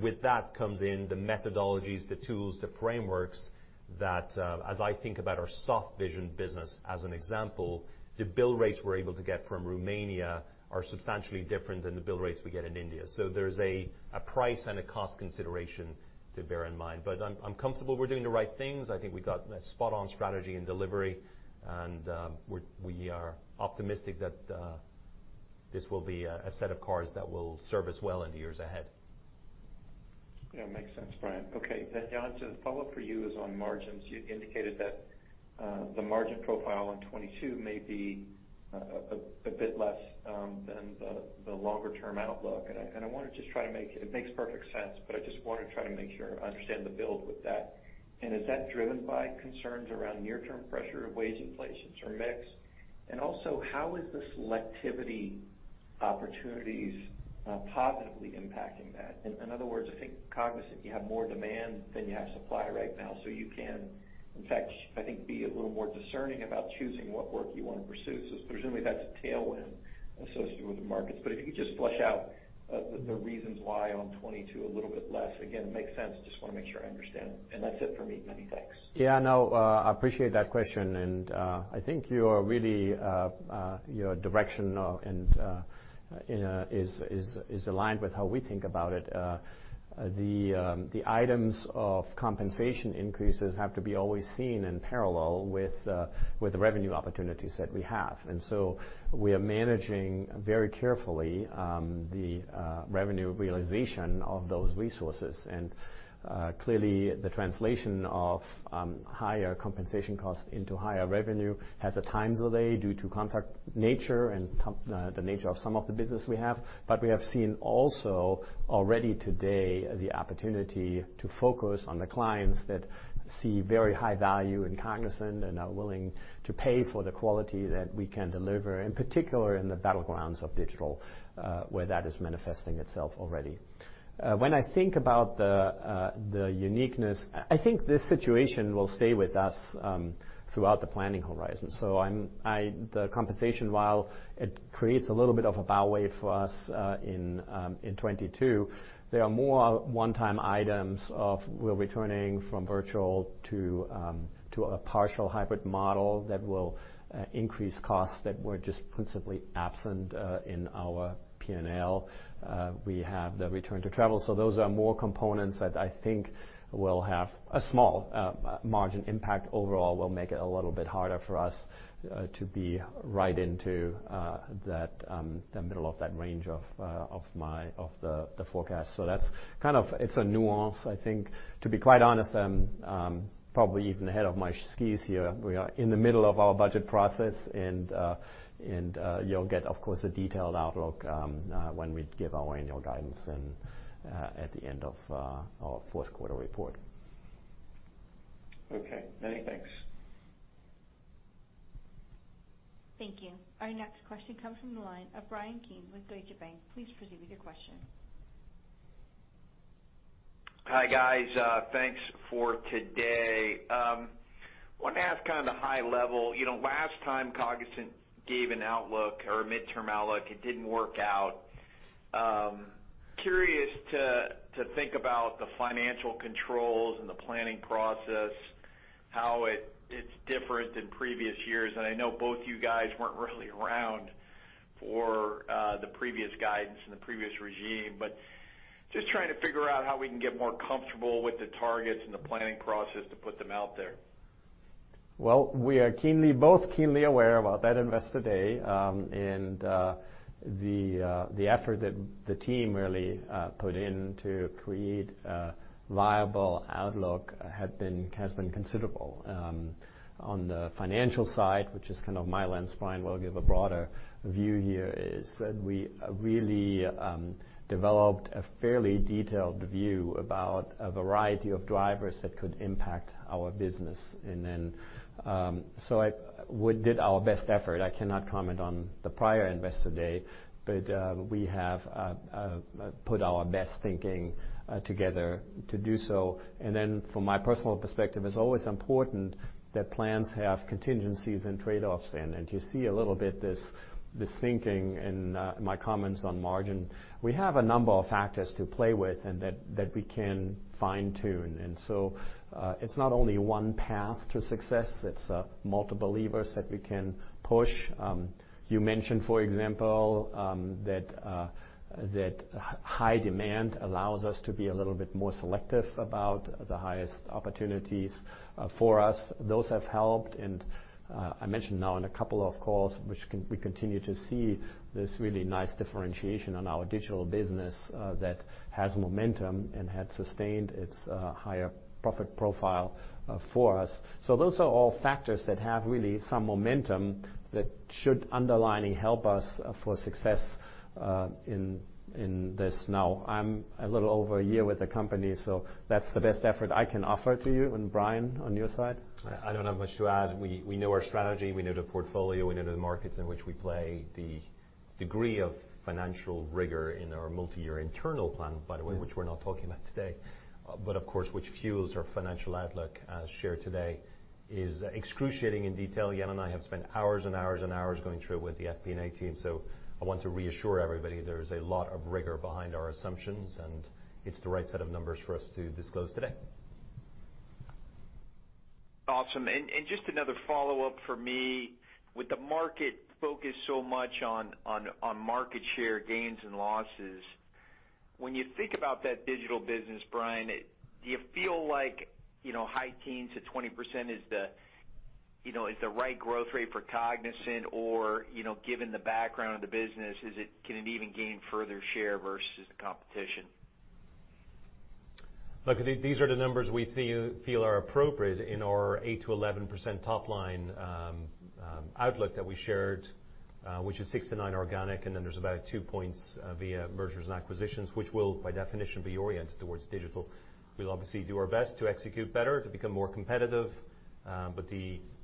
With that comes in the methodologies, the tools, the frameworks that, as I think about our Softvision business as an example, the bill rates we're able to get from Romania are substantially different than the bill rates we get in India. There's a price and a cost consideration to bear in mind. I'm comfortable we're doing the right things. I think we've got a spot-on strategy and delivery, and we are optimistic that this will be a set of cards that will serve us well in the years ahead. Yeah, makes sense, Brian. Okay. Jan, the follow-up for you is on margins. You indicated that the margin profile on 2022 may be a bit less than the longer term outlook. I wanna just it makes perfect sense, but I just wanna try to make sure I understand the build with that. Is that driven by concerns around near-term pressure of wage inflation or mix? Also, how is the selectivity opportunities positively impacting that? In other words, I think Cognizant, you have more demand than you have supply right now, so you can, in fact, I think, be a little more discerning about choosing what work you wanna pursue. Presumably that's a tailwind associated with the markets. If you could just flesh out the reasons why on 2022 a little bit less. Again, makes sense. Just wanna make sure I understand. That's it for me. Many thanks. Yeah, no, I appreciate that question, and I think your direction is aligned with how we think about it. The items of compensation increases have to be always seen in parallel with the revenue opportunities that we have. Clearly, the translation of higher compensation costs into higher revenue has a time delay due to the nature of some of the business we have. We have seen also already today the opportunity to focus on the clients that see very high value in Cognizant and are willing to pay for the quality that we can deliver, in particular in the battlegrounds of digital, where that is manifesting itself already. When I think about the uniqueness, I think this situation will stay with us throughout the planning horizon. The compensation, while it creates a little bit of a bow wave for us in 2022, there are more one-time items of we're returning from virtual to a partial hybrid model that will increase costs that were just principally absent in our P&L. We have the return to travel, so those are more components that I think will have a small margin impact overall, will make it a little bit harder for us to be right in the middle of that range of the forecast. That's kind of it. It's a nuance, I think. To be quite honest, I'm probably even ahead of my skis here. We are in the middle of our budget process, and you'll get, of course, a detailed outlook when we give our annual guidance and at the end of our fourth quarter report. Okay. Many thanks. Thank you. Our next question comes from the line of Bryan Keane with Deutsche Bank. Please proceed with your question. Hi, guys. Thanks for today. Wanted to ask kind of the high level. You know, last time Cognizant gave an outlook or a midterm outlook, it didn't work out. Curious to think about the financial controls and the planning process, how it's different than previous years. I know both you guys weren't really around for the previous guidance and the previous regime, but just trying to figure out how we can get more comfortable with the targets and the planning process to put them out there. Well, we are both keenly aware about that Investor Day, and the effort that the team really put in to create a viable outlook has been considerable. On the financial side, which is kind of my lens, Brian will give a broader view here, is that we really developed a fairly detailed view about a variety of drivers that could impact our business. We did our best effort. I cannot comment on the prior Investor Day, but we have put our best thinking together to do so. From my personal perspective, it's always important that plans have contingencies and trade-offs. You see a little bit this thinking in my comments on margin. We have a number of factors to play with and that we can fine-tune. It's not only one path to success, it's multiple levers that we can push. You mentioned, for example, that high demand allows us to be a little bit more selective about the highest opportunities for us. Those have helped, and I mentioned now on a couple of calls, we continue to see this really nice differentiation on our digital business that has momentum and had sustained its higher profit profile for us. Those are all factors that have really some momentum that should underlying help us for success in this now. I'm a little over a year with the company, so that's the best effort I can offer to you. Brian, on your side? I don't have much to add. We know our strategy. We know the portfolio. We know the markets in which we play. The degree of financial rigor in our multiyear internal plan, by the way, which we're not talking about today, but of course, which fuels our financial outlook as shared today, is excruciating in detail. Jan and I have spent hours and hours and hours going through it with the FP&A team. I want to reassure everybody there's a lot of rigor behind our assumptions, and it's the right set of numbers for us to disclose today. Awesome. Just another follow-up from me. With the market focused so much on market share gains and losses, when you think about that digital business, Brian, do you feel like, you know, high teens to 20% is the, you know, is the right growth rate for Cognizant? You know, given the background of the business, is it can it even gain further share versus the competition? Look, these are the numbers we feel are appropriate in our 8%-11% top line outlook that we shared, which is 6%-9% organic, and then there's about two points via mergers and acquisitions, which will by definition be oriented towards digital. We'll obviously do our best to execute better, to become more competitive, but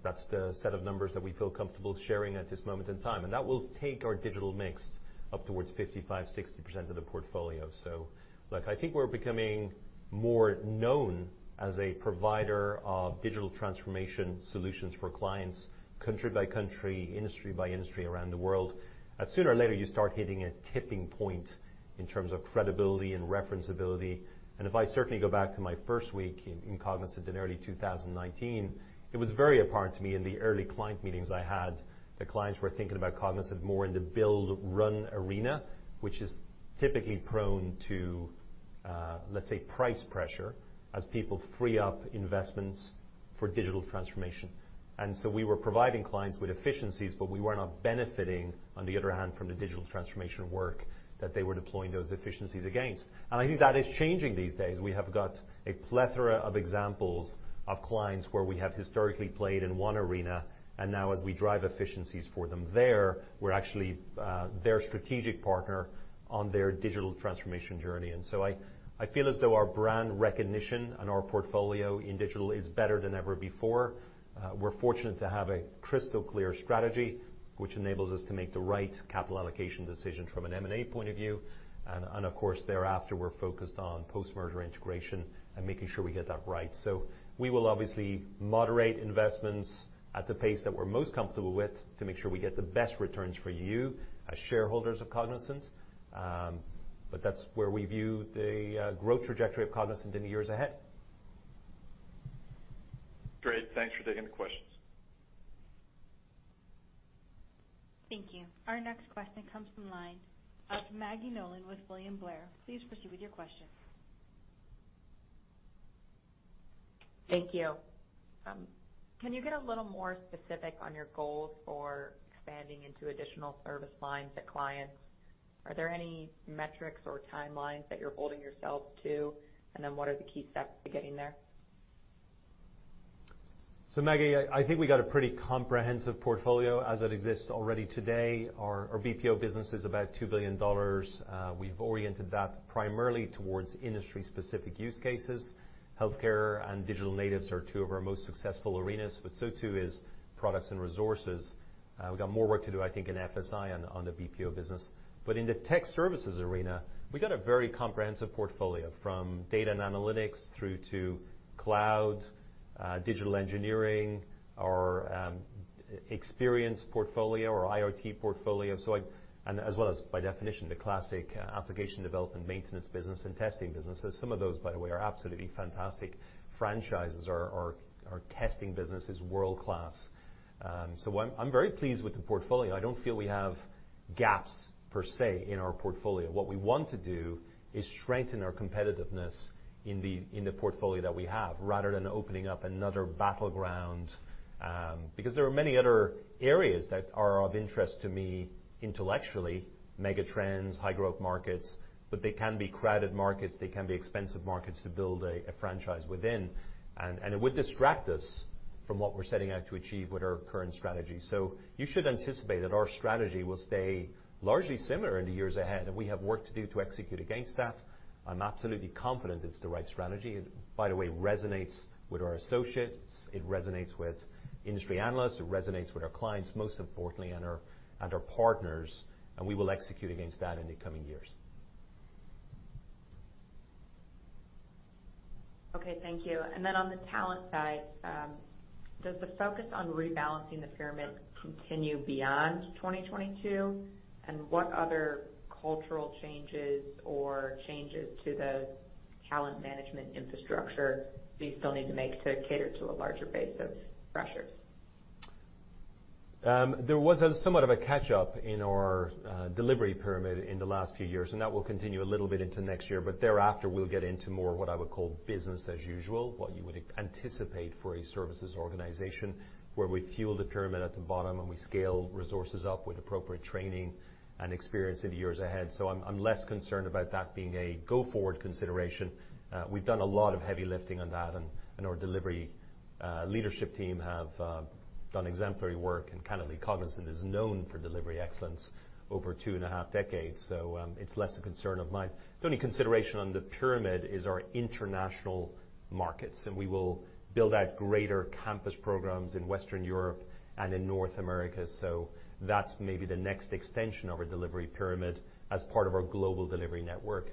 that's the set of numbers that we feel comfortable sharing at this moment in time. That will take our digital mix up towards 55%-60% of the portfolio. Look, I think we're becoming more known as a provider of digital transformation solutions for clients country by country, industry by industry around the world. Sooner or later, you start hitting a tipping point in terms of credibility and referenceability. If I certainly go back to my first week in Cognizant in early 2019, it was very apparent to me in the early client meetings I had that clients were thinking about Cognizant more in the build run arena, which is typically prone to, let's say, price pressure as people free up investments for digital transformation. We were providing clients with efficiencies, but we were not benefiting on the other hand from the digital transformation work that they were deploying those efficiencies against. I think that is changing these days. We have got a plethora of examples of clients where we have historically played in one arena, and now as we drive efficiencies for them there, we're actually their strategic partner on their digital transformation journey. I feel as though our brand recognition and our portfolio in digital is better than ever before. We're fortunate to have a crystal-clear strategy, which enables us to make the right capital allocation decisions from an M&A point of view. Of course, thereafter, we're focused on post-merger integration and making sure we get that right. We will obviously moderate investments at the pace that we're most comfortable with to make sure we get the best returns for you as shareholders of Cognizant. That's where we view the growth trajectory of Cognizant in the years ahead. Great. Thanks for taking the questions. Thank you. Our next question comes from the line of Maggie Nolan with William Blair. Please proceed with your question. Thank you. Can you get a little more specific on your goals for expanding into additional service lines to clients? Are there any metrics or timelines that you're holding yourself to? What are the key steps to getting there? Maggie, I think we got a pretty comprehensive portfolio as it exists already today. Our BPO business is about $2 billion. We've oriented that primarily towards industry-specific use cases. Healthcare and digital natives are two of our most successful arenas, but so too is products and resources. We've got more work to do, I think, in FSI on the BPO business. In the tech services arena, we've got a very comprehensive portfolio from data and analytics through to cloud, digital engineering, experience portfolio or IoT portfolio and as well as by definition, the classic application development maintenance business and testing businesses. Some of those, by the way, are absolutely fantastic franchises. Our testing business is world-class. I'm very pleased with the portfolio. I don't feel we have. Gaps per se in our portfolio. What we want to do is strengthen our competitiveness in the portfolio that we have rather than opening up another battleground, because there are many other areas that are of interest to me intellectually, mega trends, high-growth markets, but they can be crowded markets, they can be expensive markets to build a franchise within. It would distract us from what we're setting out to achieve with our current strategy. You should anticipate that our strategy will stay largely similar in the years ahead, and we have work to do to execute against that. I'm absolutely confident it's the right strategy. It, by the way, resonates with our associates, it resonates with industry analysts, it resonates with our clients, most importantly, and our partners, and we will execute against that in the coming years. Okay. Thank you. On the talent side, does the focus on rebalancing the pyramid continue beyond 2022? What other cultural changes or changes to the talent management infrastructure do you still need to make to cater to a larger base of freshers? There was a somewhat of a catch-up in our delivery pyramid in the last few years, and that will continue a little bit into next year, but thereafter, we'll get into more what I would call business as usual, what you would anticipate for a services organization, where we fuel the pyramid at the bottom, and we scale resources up with appropriate training and experience in the years ahead. I'm less concerned about that being a go-forward consideration. We've done a lot of heavy lifting on that, and our delivery leadership team have done exemplary work, and candidly, Cognizant is known for delivery excellence over two and a half decades. It's less a concern of mine. The only consideration on the pyramid is our international markets, and we will build out greater campus programs in Western Europe and in North America. That's maybe the next extension of our delivery pyramid as part of our global delivery network.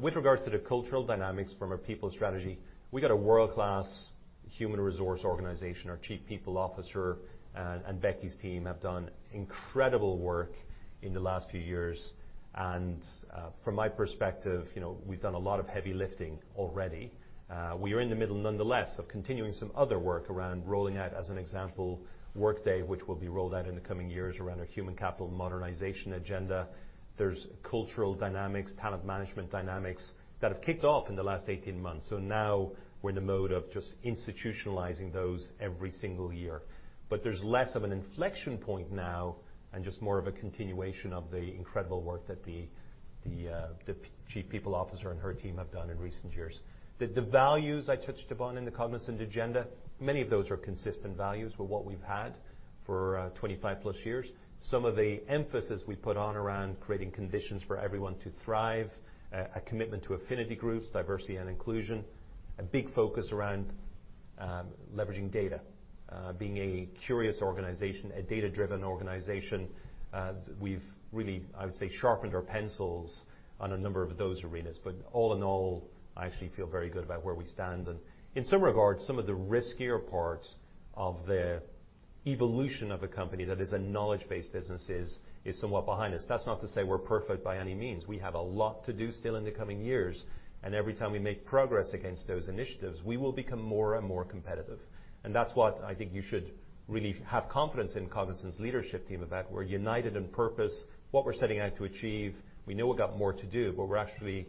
With regards to the cultural dynamics from a people strategy, we've got a world-class human resource organization. Our Chief People Officer and Becky's team have done incredible work in the last few years. From my perspective, you know, we've done a lot of heavy lifting already. We are in the middle nonetheless of continuing some other work around rolling out, as an example, Workday, which will be rolled out in the coming years around our human capital modernization agenda. There's cultural dynamics, talent management dynamics that have kicked off in the last 18 months. Now we're in the mode of just institutionalizing those every single year. There's less of an inflection point now and just more of a continuation of the incredible work that the Chief People Officer and her team have done in recent years. The values I touched upon in the Cognizant agenda, many of those are consistent values with what we've had for 25+ years. Some of the emphasis we put on around creating conditions for everyone to thrive, a commitment to affinity groups, diversity and inclusion, a big focus around leveraging data, being a curious organization, a data-driven organization. We've really, I would say, sharpened our pencils on a number of those arenas. All in all, I actually feel very good about where we stand. In some regards, some of the riskier parts of the evolution of a company that is a knowledge-based business is somewhat behind us. That's not to say we're perfect by any means. We have a lot to do still in the coming years, and every time we make progress against those initiatives, we will become more and more competitive. That's what I think you should really have confidence in Cognizant's leadership team about. We're united in purpose, what we're setting out to achieve. We know we've got more to do, but we're actually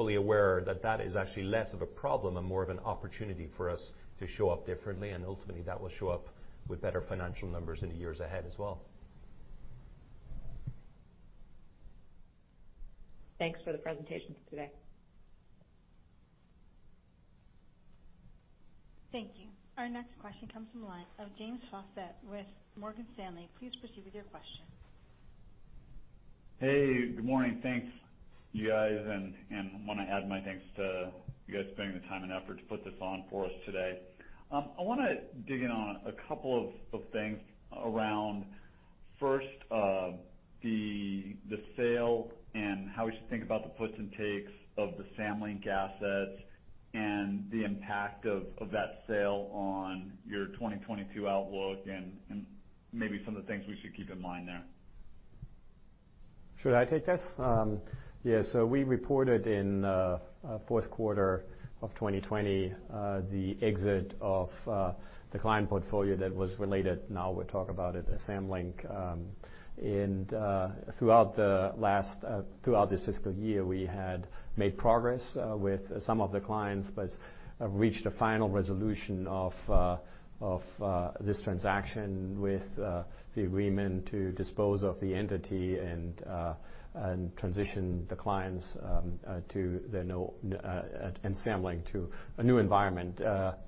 fully aware that that is actually less of a problem and more of an opportunity for us to show up differently, and ultimately, that will show up with better financial numbers in the years ahead as well. Thanks for the presentation today. Thank you. Our next question comes from the line of James Faucette with Morgan Stanley. Please proceed with your question. Hey, good morning. Thank you guys, and want to add my thanks to you guys spending the time and effort to put this on for us today. I wanna dig in on a couple of things around, first, the sale and how we should think about the puts and takes of the Samlink assets and the impact of that sale on your 2022 outlook and maybe some of the things we should keep in mind there. Sho uld I take this? Yes. We reported in fourth quarter of 2020 the exit of the client portfolio that was related, now we talk about it as Samlink. Throughout this fiscal year, we had made progress with some of the clients, but have reached a final resolution of this transaction with the agreement to dispose of the entity and transition the clients and Samlink to a new environment.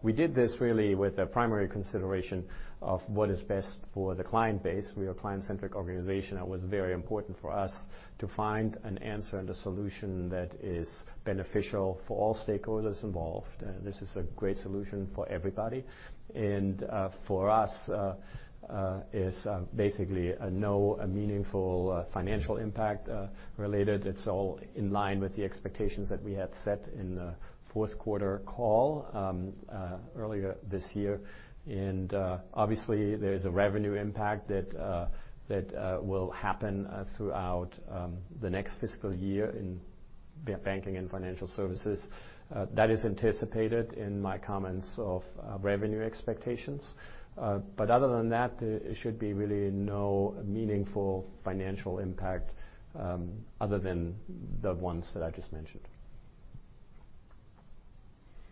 We did this really with a primary consideration of what is best for the client base. We are a client-centric organization. It was very important for us to find an answer and a solution that is beneficial for all stakeholders involved. This is a great solution for everybody. For us, basically no meaningful financial impact related. It's all in line with the expectations that we had set in the fourth quarter call earlier this year. Obviously, there's a revenue impact that will happen throughout the next fiscal year in- Banking and Financial Services, that is anticipated in my comments on revenue expectations. Other than that, there should be really no meaningful financial impact, other than the ones that I just mentioned.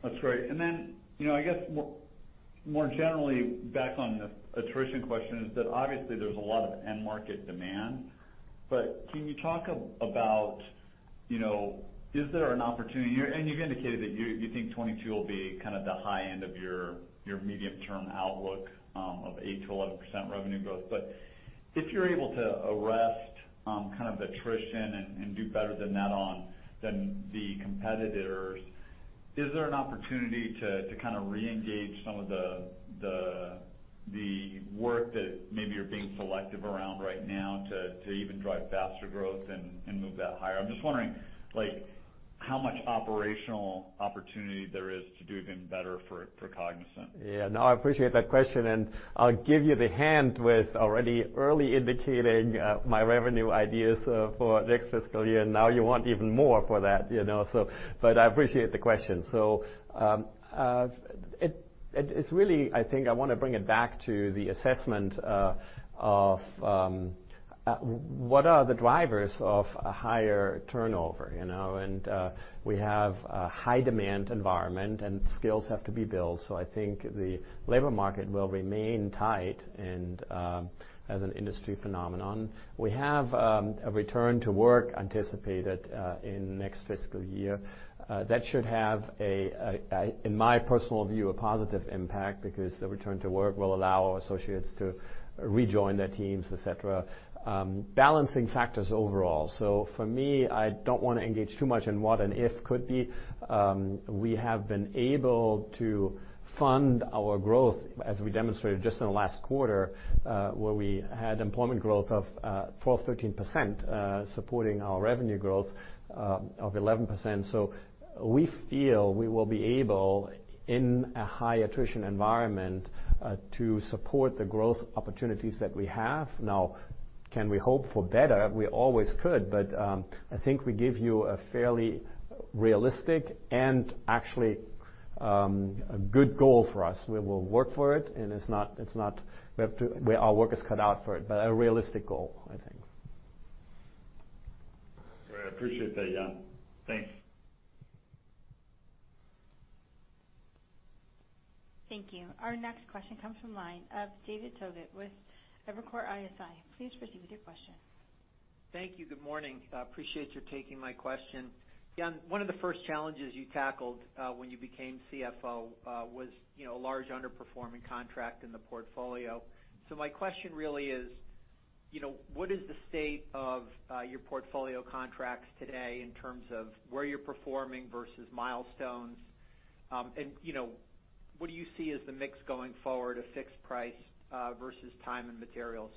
That's great. You know, I guess more generally back on the attrition question, that obviously there's a lot of end market demand. Can you talk about, you know, is there an opportunity. You've indicated that you think 2022 will be kind of the high end of your medium-term outlook of 8%-11% revenue growth. If you're able to arrest kind of attrition and do better than the competitors, is there an opportunity to kind of reengage some of the work that maybe you're being selective around right now to even drive faster growth and move that higher? I'm just wondering, like, how much operational opportunity there is to do even better for Cognizant. Yeah. No, I appreciate that question, and I'll give you the heads up with our early indication of my revenue guidance for next fiscal year. Now you want even more for that, you know. I appreciate the question. It's really, I think I wanna bring it back to the assessment of what are the drivers of a higher turnover, you know. We have a high demand environment and skills have to be built. I think the labor market will remain tight and as an industry phenomenon. We have a return to work anticipated in next fiscal year. That should have a, in my personal view, a positive impact because the return to work will allow our associates to rejoin their teams, et cetera. Balancing factors overall. For me, I don't wanna engage too much in what an if could be. We have been able to fund our growth, as we demonstrated just in the last quarter, where we had employment growth of 4%-13%, supporting our revenue growth of 11%. We feel we will be able, in a high attrition environment, to support the growth opportunities that we have. Now, can we hope for better? We always could, but I think we give you a fairly realistic and actually a good goal for us. We will work for it and it's not. Our work is cut out for it, but a realistic goal, I think. Great. I appreciate that, Jan. Thanks. Thank you. Our next question comes from the line of David Togut with Evercore ISI. Please proceed with your question. Thank you. Good morning. I appreciate you taking my question. Jan, one of the first challenges you tackled when you became CFO was, you know, a large underperforming contract in the portfolio. My question really is, you know, what is the state of your portfolio contracts today in terms of where you're performing versus milestones? You know, what do you see as the mix going forward, a fixed price versus time and materials?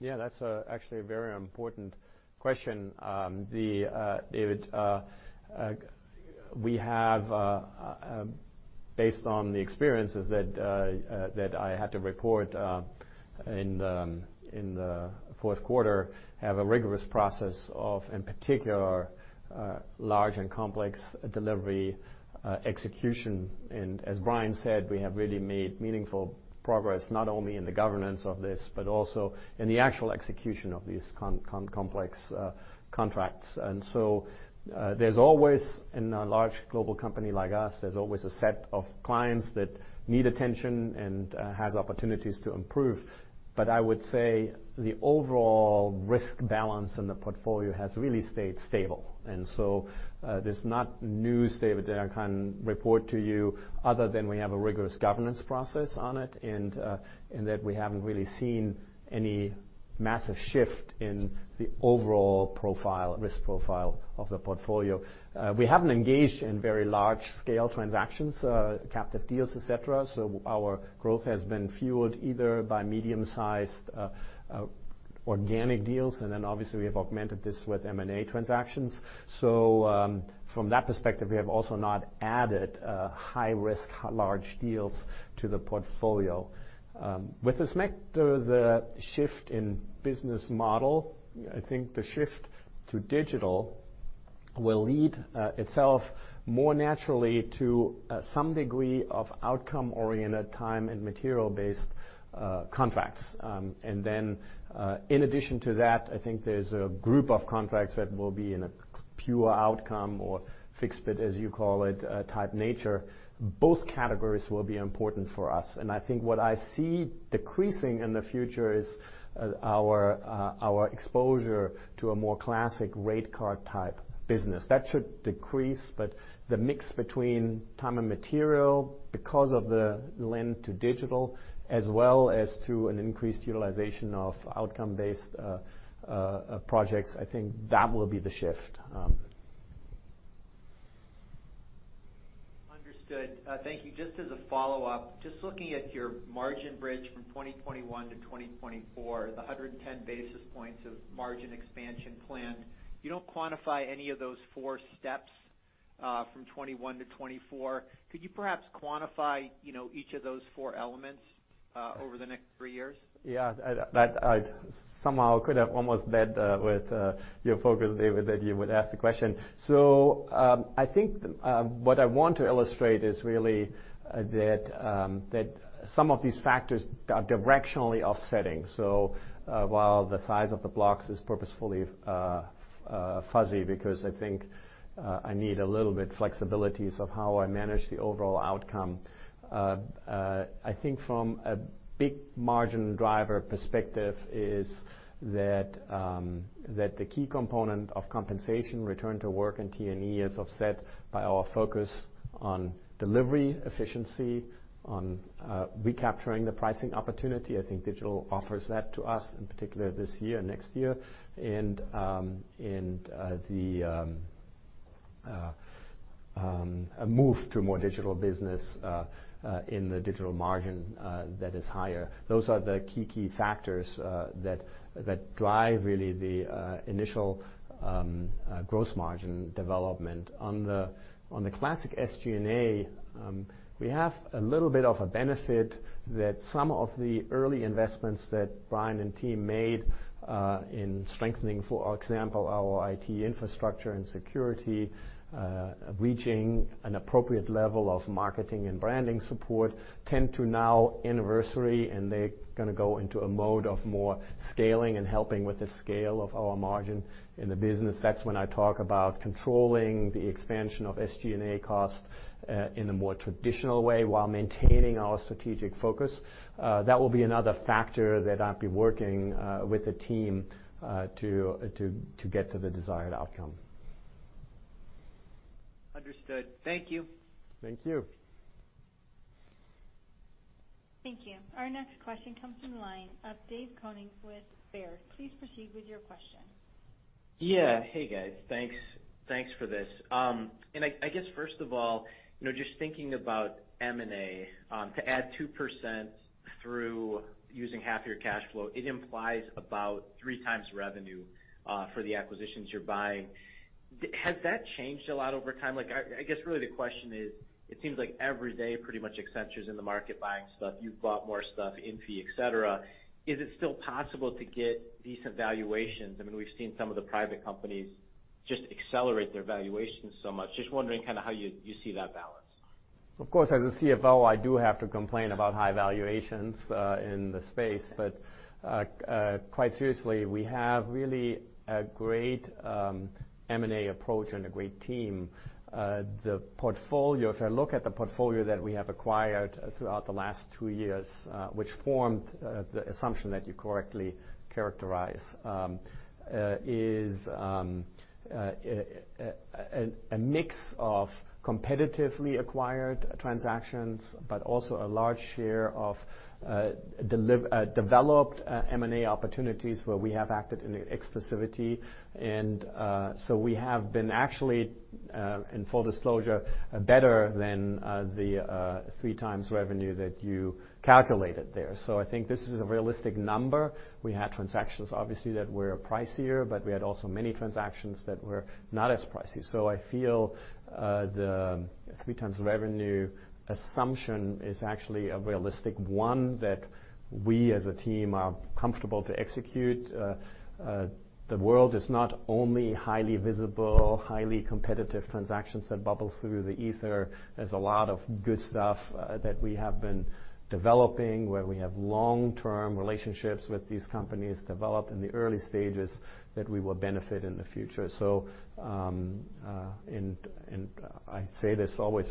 Yeah, that's actually a very important question to David. We have, based on the experiences that I had to report in the fourth quarter, a rigorous process of, in particular, large and complex delivery execution. As Brian said, we have really made meaningful progress, not only in the governance of this, but also in the actual execution of these complex contracts. There's always, in a large global company like us, a set of clients that need attention and has opportunities to improve. I would say the overall risk balance in the portfolio has really stayed stable. There's no news, David, that I can report to you other than we have a rigorous governance process on it, and that we haven't really seen any massive shift in the overall profile, risk profile of the portfolio. We haven't engaged in very large scale transactions, captive deals, et cetera. Our growth has been fueled either by medium-sized, organic deals, and then obviously we have augmented this with M&A transactions. From that perspective, we have also not added high-risk, large deals to the portfolio. With respect to the shift in business model, I think the shift to digital will lead itself more naturally to some degree of outcome-oriented time and material-based contracts. In addition to that, I think there's a group of contracts that will be in a pure outcome or fixed bid, as you call it, type nature. Both categories will be important for us. I think what I see decreasing in the future is our exposure to a more classic rate card type business. That should decrease, but the mix between time and material because of the lean to digital as well as to an increased utilization of outcome-based projects. I think that will be the shift. Understood. Thank you. Just as a follow-up, just looking at your margin bridge from 2021 to 2024, the 110 basis points of margin expansion plan, you don't quantify any of those four steps from 2021 to 2024. Could you perhaps quantify, you know, each of those four elements over the next three years? Yeah. That I somehow could have almost bet with your focus, David, that you would ask the question. I think what I want to illustrate is really that some of these factors are directionally offsetting. While the size of the blocks is purposefully fuzzy because I think I need a little bit flexibility of how I manage the overall outcome. I think from a big margin driver perspective is that the key component of compensation return to work and T&E is offset by our focus on delivery efficiency, on recapturing the pricing opportunity. I think digital offers that to us, in particular this year, next year. A move to more digital business in the digital margin that is higher. Those are the key factors that drive really the initial gross margin development. On the classic SG&A, we have a little bit of a benefit that some of the early investments that Brian and team made in strengthening, for example, our IT infrastructure and security, reaching an appropriate level of marketing and branding support tend to now anniversary, and they're gonna go into a mode of more scaling and helping with the scale of our margin in the business. That's when I talk about controlling the expansion of SG&A costs in a more traditional way while maintaining our strategic focus. That will be another factor that I'll be working with the team to get to the desired outcome. Understood. Thank you. Thank you. Thank you. Our next question comes from the line of David Koning with Baird. Please proceed with your question. Yeah. Hey, guys. Thanks for this. I guess, first of all, you know, just thinking about M&A, to add 2% through using half your cash flow, it implies about 3x revenue for the acquisitions you're buying. Has that changed a lot over time? Like, I guess really the question is, it seems like every day, pretty much Accenture's in the market buying stuff. You've bought more stuff, Inphi, et cetera. Is it still possible to get decent valuations? I mean, we've seen some of the private companies just accelerate their valuations so much. Just wondering kinda how you see that balance. Of course, as a CFO, I do have to complain about high valuations in the space. Quite seriously, we have really a great M&A approach and a great team. The portfolio. If I look at the portfolio that we have acquired throughout the last two years, which formed the assumption that you correctly characterize, is a mix of competitively acquired transactions, but also a large share of developed M&A opportunities where we have acted in exclusivity. We have been actually in full disclosure, better than the three times revenue that you calculated there. I think this is a realistic number. We had transactions, obviously, that were pricier, but we had also many transactions that were not as pricey. I feel the 3x revenue assumption is actually a realistic one that we as a team are comfortable to execute. The world is not only highly visible, highly competitive transactions that bubble through the ether. There's a lot of good stuff that we have been developing, where we have long-term relationships with these companies develop in the early stages that we will benefit in the future. I say this always,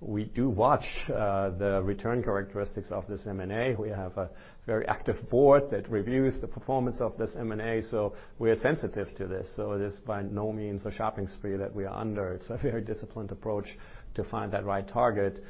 we do watch the return characteristics of this M&A. We have a very active board that reviews the performance of this M&A, so we are sensitive to this. It is by no means a shopping spree that we are under. It's a very disciplined approach to find that right target.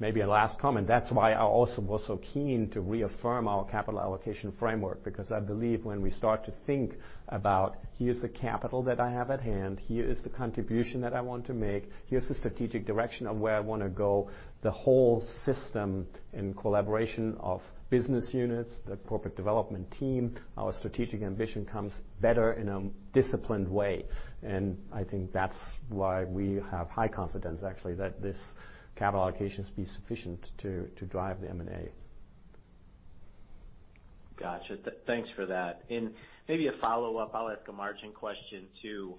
Maybe a last comment. That's why I also was so keen to reaffirm our capital allocation framework, because I believe when we start to think about, here's the capital that I have at hand, here is the contribution that I want to make, here's the strategic direction of where I wanna go, the whole system in collaboration of business units, the corporate development team, our strategic ambition comes better in a disciplined way. I think that's why we have high confidence, actually, that this capital allocation be sufficient to drive the M&A. Got you. Thanks for that. Maybe a follow-up. I'll ask a margin question, too.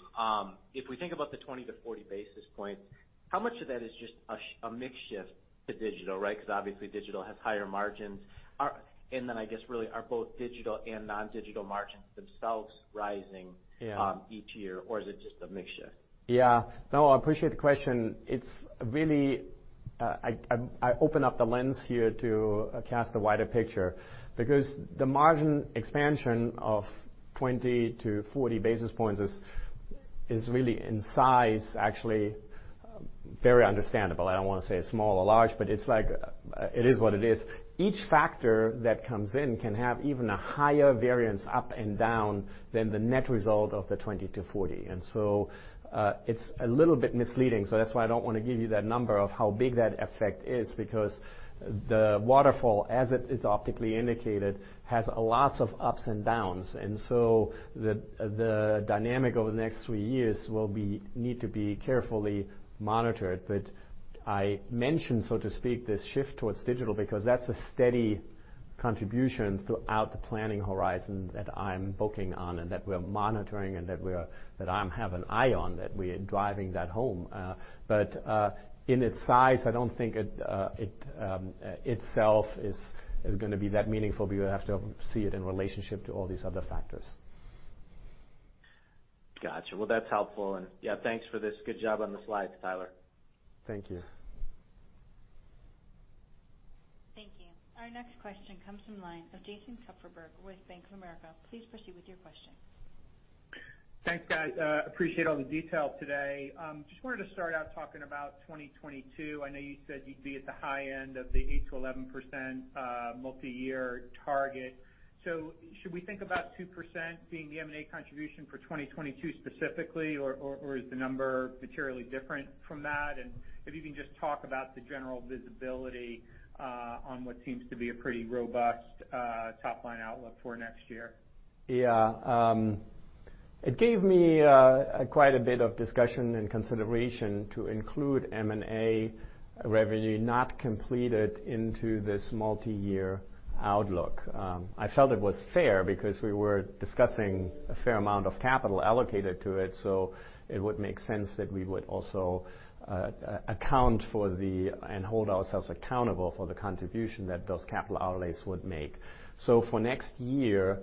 If we think about the 20-40 basis point, how much of that is just a mix shift to digital, right? 'Cause obviously digital has higher margins. Then I guess really, are both digital and non-digital margins themselves rising? Yeah. each year, or is it just a mix shift? Yeah. No, I appreciate the question. It's really, I open up the lens here to cast a wider picture because the margin expansion of 20-40 basis points is really in size, actually very understandable. I don't wanna say small or large, but it's like, it is what it is. Each factor that comes in can have even a higher variance up and down than the net result of the 20-40. It's a little bit misleading. That's why I don't wanna give you that number of how big that effect is, because the waterfall, as it is optically indicated, has a lot of ups and downs. The dynamic over the next three years will need to be carefully monitored. I mentioned, so to speak, this shift towards digital because that's a steady- Contributions throughout the planning horizon that I'm booking on and that we're monitoring and that I have an eye on, that we are driving that home. But in its size, I don't think it itself is gonna be that meaningful. We would have to see it in relationship to all these other factors. Gotcha. Well, that's helpful. Yeah, thanks for this. Good job on the slides, Tyler. Thank you. Thank you. Our next question comes from the line of Jason Kupferberg with Bank of America. Please proceed with your question. Thanks, guys. I appreciate all the detail today. I just wanted to start out talking about 2022. I know you said you'd be at the high end of the 8%-11% multi-year target. Should we think about 2% being the M&A contribution for 2022 specifically, or is the number materially different from that? If you can just talk about the general visibility on what seems to be a pretty robust top-line outlook for next year. Yeah. It gave me quite a bit of discussion and consideration to include M&A revenue not completed into this multi-year outlook. I felt it was fair because we were discussing a fair amount of capital allocated to it, so it would make sense that we would also account for and hold ourselves accountable for the contribution that those capital outlays would make. For next year,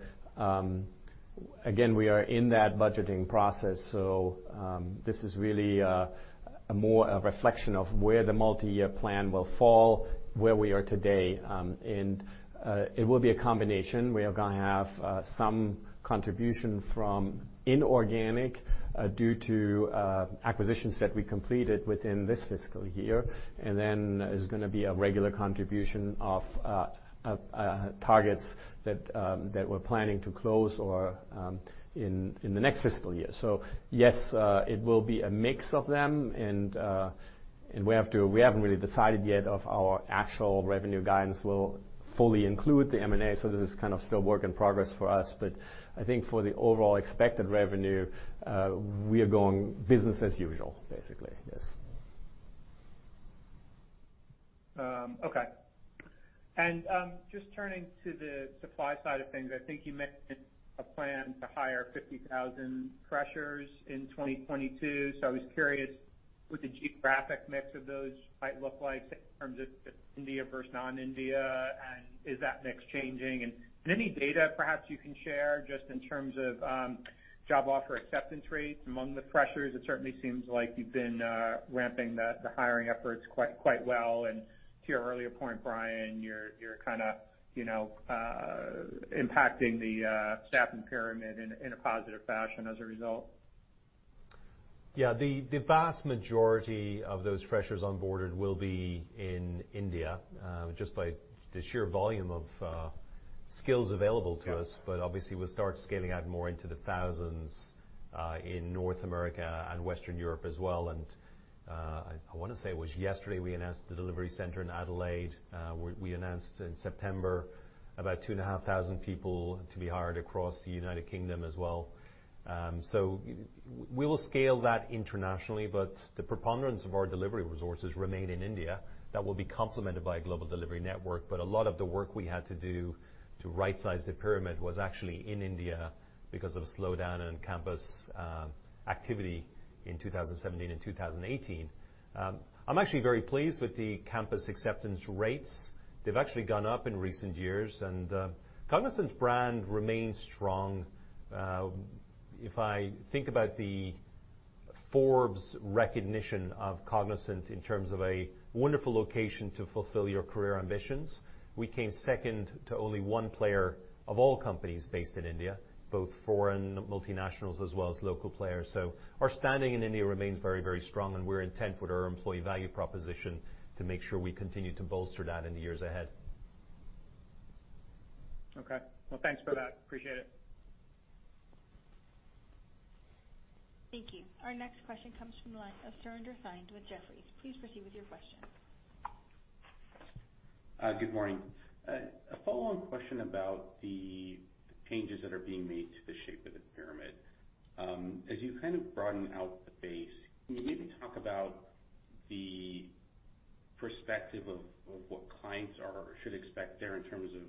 again, we are in that budgeting process, so this is really more a reflection of where the multi-year plan will fall, where we are today. It will be a combination. We are gonna have some contribution from inorganic due to acquisitions that we completed within this fiscal year, and then there's gonna be a regular contribution of targets that we're planning to close or in the next fiscal year. Yes, it will be a mix of them and we haven't really decided yet if our actual revenue guidance will fully include the M&A, so this is kind of still work in progress for us. I think for the overall expected revenue, we are going business as usual, basically. Yes. Okay. Just turning to the supply side of things, I think you mentioned a plan to hire 50,000 freshers in 2022. I was curious what the geographic mix of those might look like in terms of India versus non-India, and is that mix changing? Any data perhaps you can share just in terms of job offer acceptance rates among the freshers. It certainly seems like you've been ramping the hiring efforts quite well. To your earlier point, Brian, you're kinda, you know, impacting the staffing pyramid in a positive fashion as a result. The vast majority of those freshers onboarded will be in India, just by the sheer volume of skills available to us. Obviously, we'll start scaling out more into the thousands in North America and Western Europe as well. I wanna say it was yesterday we announced the delivery center in Adelaide. We announced in September about 2,500 people to be hired across the United Kingdom as well. We will scale that internationally, but the preponderance of our delivery resources remain in India. That will be complemented by a global delivery network, but a lot of the work we had to do to rightsize the pyramid was actually in India because of a slowdown in campus activity in 2017 and 2018. I'm actually very pleased with the campus acceptance rates. They've actually gone up in recent years, and Cognizant's brand remains strong. If I think about the Forbes recognition of Cognizant in terms of a wonderful location to fulfill your career ambitions, we came second to only one player of all companies based in India, both foreign multinationals as well as local players. Our standing in India remains very, very strong, and we're intent with our employee value proposition to make sure we continue to bolster that in the years ahead. Okay. Well, thanks for that. Appreciate it. Thank you. Our next question comes from the line of Surinder Thind with Jefferies. Please proceed with your question. Good morning. A follow-on question about the changes that are being made to the shape of the pyramid. As you kind of broaden out the base, can you maybe talk about the perspective of what clients are or should expect there in terms of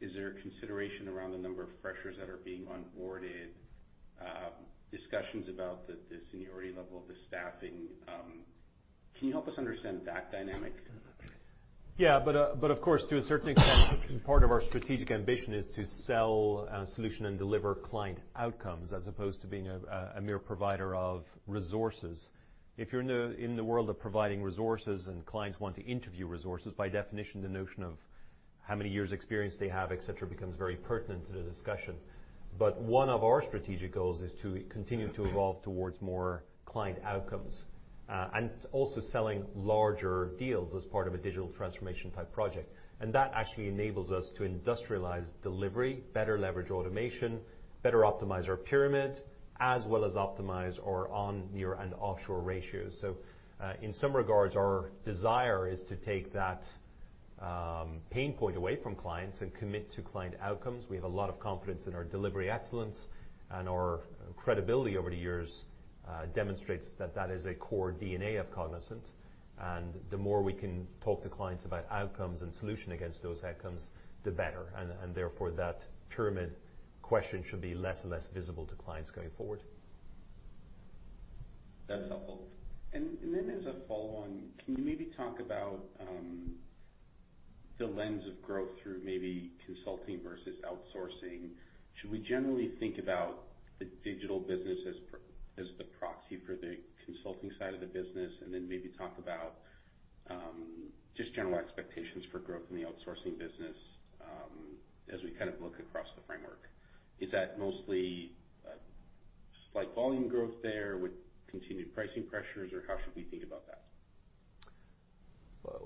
is there consideration around the number of freshers that are being onboarded, discussions about the seniority level of the staffing? Can you help us understand that dynamic? Of course, to a certain extent, part of our strategic ambition is to sell a solution and deliver client outcomes as opposed to being a mere provider of resources. If you're in the world of providing resources and clients want to interview resources, by definition, the notion of how many years experience they have, et cetera, becomes very pertinent to the discussion. One of our strategic goals is to continue to evolve towards more client outcomes and also selling larger deals as part of a digital transformation type project. That actually enables us to industrialize delivery, better leverage automation, better optimize our pyramid, as well as optimize our on near and offshore ratios. In some regards, our desire is to take that pain point away from clients and commit to client outcomes. We have a lot of confidence in our delivery excellence, and our credibility over the years demonstrates that is a core DNA of Cognizant. The more we can talk to clients about outcomes and solution against those outcomes, the better, and therefore that pyramid question should be less and less visible to clients going forward. That's helpful. Then as a follow-on, can you maybe talk about the lens of growth through maybe consulting versus outsourcing? Should we generally think about the digital business as the proxy for the consulting side of the business, and then maybe talk about just general expectations for growth in the outsourcing business, as we kind of look across the framework? Is that mostly slight volume growth there with continued pricing pressures, or how should we think about that?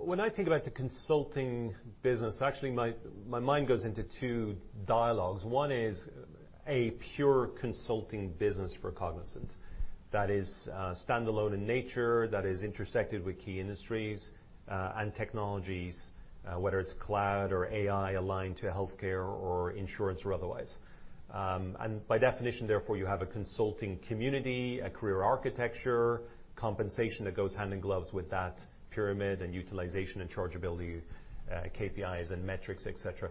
When I think about the consulting business, actually my mind goes into two dialogues. One is a pure consulting business for Cognizant that is standalone in nature, that is intersected with key industries and technologies, whether it's cloud or AI aligned to healthcare or insurance or otherwise. By definition, therefore, you have a consulting community, a career architecture, compensation that goes hand in glove with that pyramid and utilization and chargeability, KPIs and metrics, et cetera.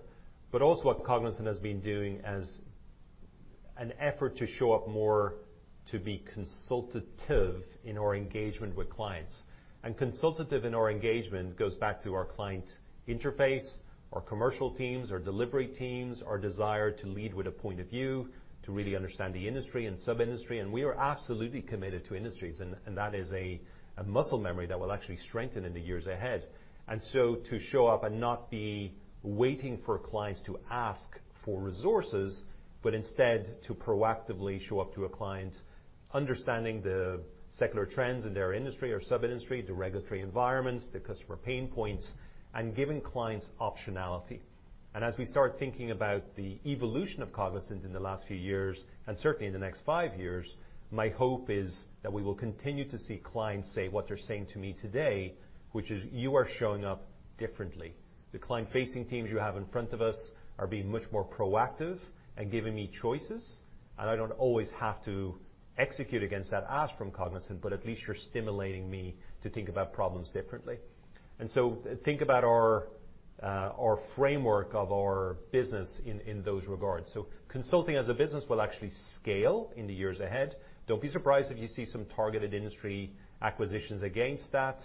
But also what Cognizant has been doing as an effort to show up more to be consultative in our engagement with clients. Consultative in our engagement goes back to our client interface, our commercial teams, our delivery teams, our desire to lead with a point of view to really understand the industry and sub-industry. We are absolutely committed to industries, and that is a muscle memory that will actually strengthen in the years ahead. To show up and not be waiting for clients to ask for resources, but instead to proactively show up to a client understanding the secular trends in their industry or sub-industry, the regulatory environments, the customer pain points, and giving clients optionality. As we start thinking about the evolution of Cognizant in the last few years, and certainly in the next five years, my hope is that we will continue to see clients say what they're saying to me today, which is, "You are showing up differently. The client-facing teams you have in front of us are being much more proactive and giving me choices, and I don't always have to execute against that ask from Cognizant, but at least you're stimulating me to think about problems differently. Think about our framework of our business in those regards. Consulting as a business will actually scale in the years ahead. Don't be surprised if you see some targeted industry acquisitions against that.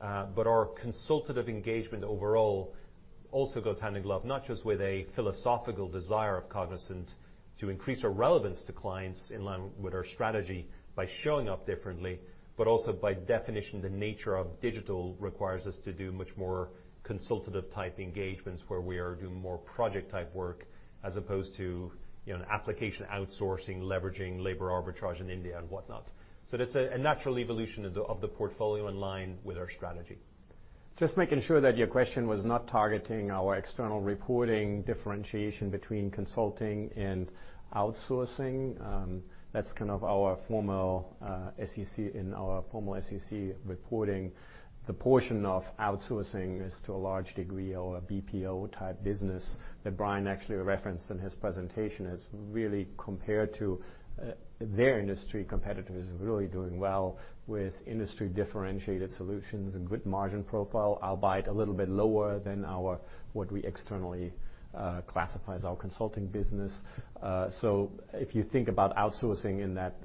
Our consultative engagement overall also goes hand in glove, not just with a philosophical desire of Cognizant to increase our relevance to clients in line with our strategy by showing up differently, but also by definition, the nature of digital requires us to do much more consultative type engagements where we are doing more project type work as opposed to, you know, an application outsourcing, leveraging labor arbitrage in India and whatnot. That's a natural evolution of the portfolio in line with our strategy. Just making sure that your question was not targeting our external reporting differentiation between consulting and outsourcing. That's kind of our formal SEC, in our formal SEC reporting. The portion of outsourcing is to a large degree our BPO-type business that Brian actually referenced in his presentation, has really compared to their industry competitors, is really doing well with industry-differentiated solutions and good margin profile, albeit a little bit lower than our, what we externally classify as our consulting business. If you think about outsourcing in that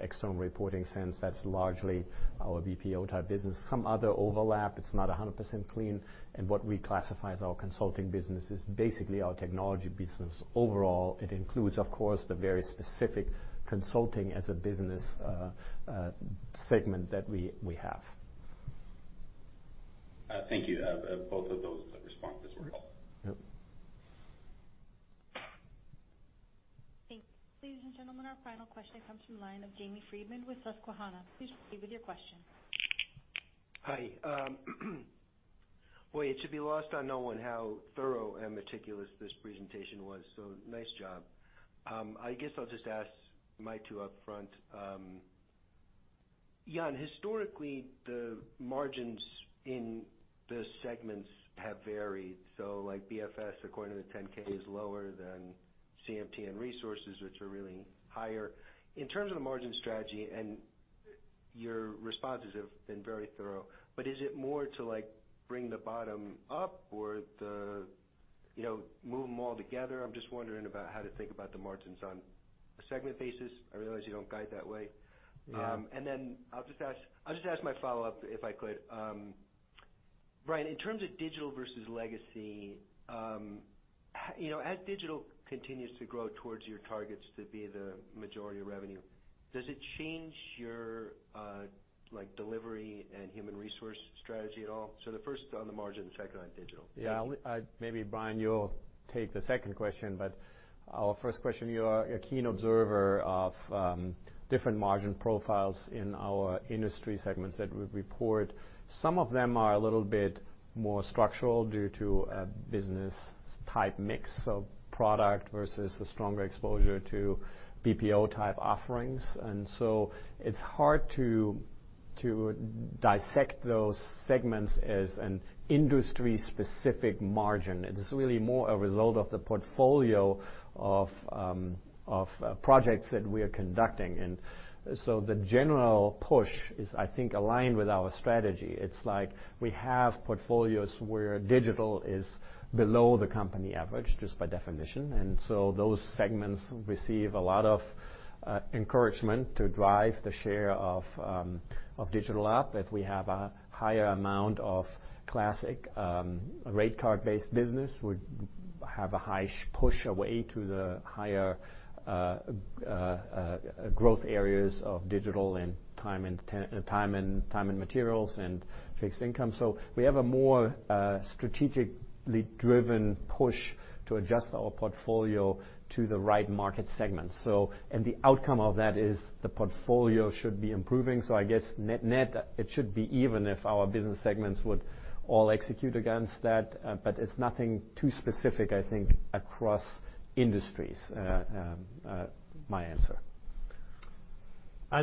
external reporting sense, that's largely our BPO-type business. Some other overlap, it's not 100% clean, and what we classify as our consulting business is basically our technology business. Overall, it includes, of course, the very specific consulting as a business segment that we have. Thank you. Both of those responses were helpful. Yep. Thanks. Ladies and gentlemen, our final question comes from the line of Jamie Friedman with Susquehanna. Please proceed with your question. Hi. Boy, it should be lost on no one how thorough and meticulous this presentation was, so nice job. I guess I'll just ask my two up front. Jan, historically, the margins in the segments have varied. Like BFS, according to the 10-K, is lower than CMT and Resources, which are really higher. In terms of the margin strategy, your responses have been very thorough, but is it more to like bring the bottom up or the, you know, move them all together? I'm just wondering about how to think about the margins on a segment basis. I realize you don't guide that way. Yeah. I'll just ask my follow-up, if I could. Brian, in terms of digital versus legacy, you know, as digital continues to grow towards your targets to be the majority of revenue, does it change your, like, delivery and human resource strategy at all? The first on the margin, second on digital. Yeah. Maybe Brian, you'll take the second question, but our first question, you are a keen observer of different margin profiles in our industry segments that we report. Some of them are a little bit more structural due to a business type mix of product versus a stronger exposure to BPO-type offerings. It's hard to dissect those segments as an industry-specific margin. It's really more a result of the portfolio of projects that we are conducting. The general push is, I think, aligned with our strategy. It's like we have portfolios where digital is below the company average, just by definition. Those segments receive a lot of encouragement to drive the share of digital up. If we have a higher amount of classic rate card-based business, we have a higher push away to the higher growth areas of digital and time and materials and fixed price. We have a more strategically driven push to adjust our portfolio to the right market segment. The outcome of that is the portfolio should be improving. I guess net it should be even if our business segments would all execute against that. It's nothing too specific, I think, across industries, my answer.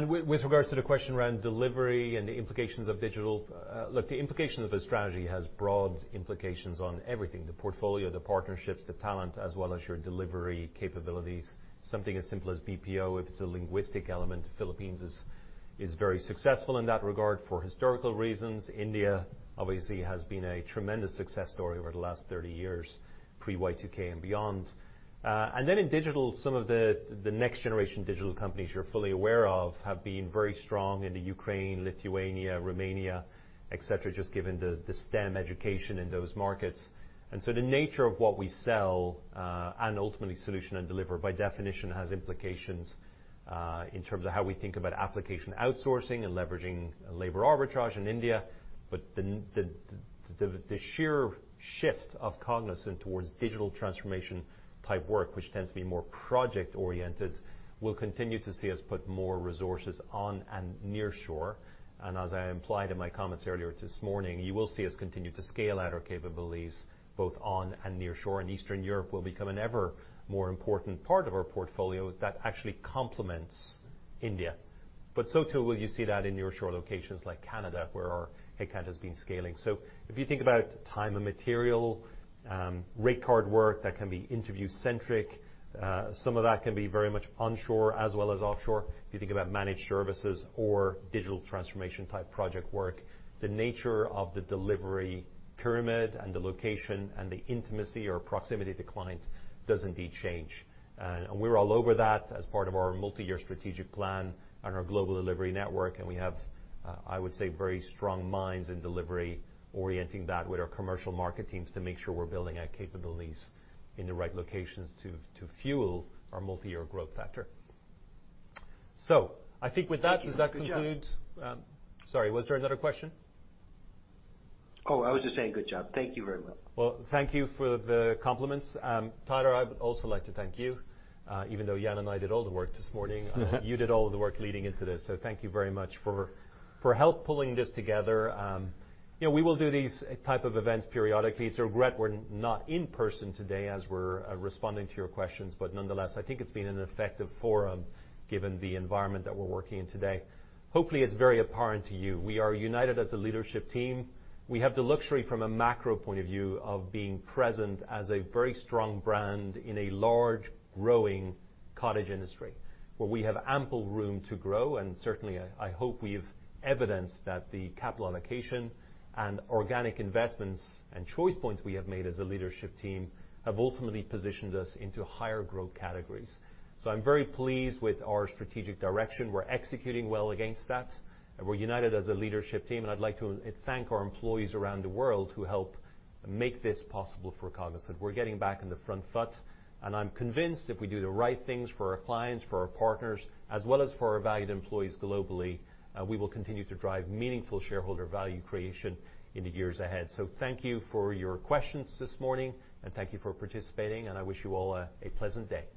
With regards to the question around delivery and the implications of digital, look, the implication of the strategy has broad implications on everything, the portfolio, the partnerships, the talent as well as your delivery capabilities. Something as simple as BPO, if it's a linguistic element, Philippines is very successful in that regard for historical reasons. India, obviously, has been a tremendous success story over the last 30 years, pre-Y2K and beyond. In digital, some of the next generation digital companies you're fully aware of have been very strong in the Ukraine, Lithuania, Romania, et cetera, just given the STEM education in those markets. The nature of what we sell and ultimately solution and deliver by definition has implications in terms of how we think about application outsourcing and leveraging labor arbitrage in India. The sheer shift of Cognizant towards digital transformation type work, which tends to be more project-oriented, will continue to see us put more resources on and nearshore. As I implied in my comments earlier this morning, you will see us continue to scale out our capabilities both on and nearshore, and Eastern Europe will become an ever more important part of our portfolio that actually complements India. So too will you see that in offshore locations like Canada, where our headcount has been scaling. If you think about time and material rate card work that can be India-centric, some of that can be very much onshore as well as offshore. If you think about managed services or digital transformation-type project work, the nature of the delivery pyramid and the location and the intimacy or proximity to client does indeed change. We're all over that as part of our multi-year strategic plan on our global delivery network. We have I would say, very strong minds in delivery, orienting that with our commercial market teams to make sure we're building our capabilities in the right locations to fuel our multi-year growth factor. I think with that, does that conclude? Thank you. Good job. Sorry, was there another question? Oh, I was just saying good job. Thank you very much. Well, thank you for the compliments. Tyler, I would also like to thank you, even though Jan and I did all the work this morning. You did all of the work leading into this. Thank you very much for help pulling this together. You know, we will do these type of events periodically. It's a regret we're not in person today as we're responding to your questions, but nonetheless, I think it's been an effective forum given the environment that we're working in today. Hopefully, it's very apparent to you, we are united as a leadership team. We have the luxury from a macro point of view of being present as a very strong brand in a large, growing cottage industry, where we have ample room to grow. Certainly, I hope we've evidenced that the capital allocation and organic investments and choice points we have made as a leadership team have ultimately positioned us into higher growth categories. I'm very pleased with our strategic direction. We're executing well against that. We're united as a leadership team, and I'd like to thank our employees around the world who help make this possible for Cognizant. We're getting back on the front foot, and I'm convinced if we do the right things for our clients, for our partners, as well as for our valued employees globally, we will continue to drive meaningful shareholder value creation in the years ahead. Thank you for your questions this morning, and thank you for participating, and I wish you all a pleasant day.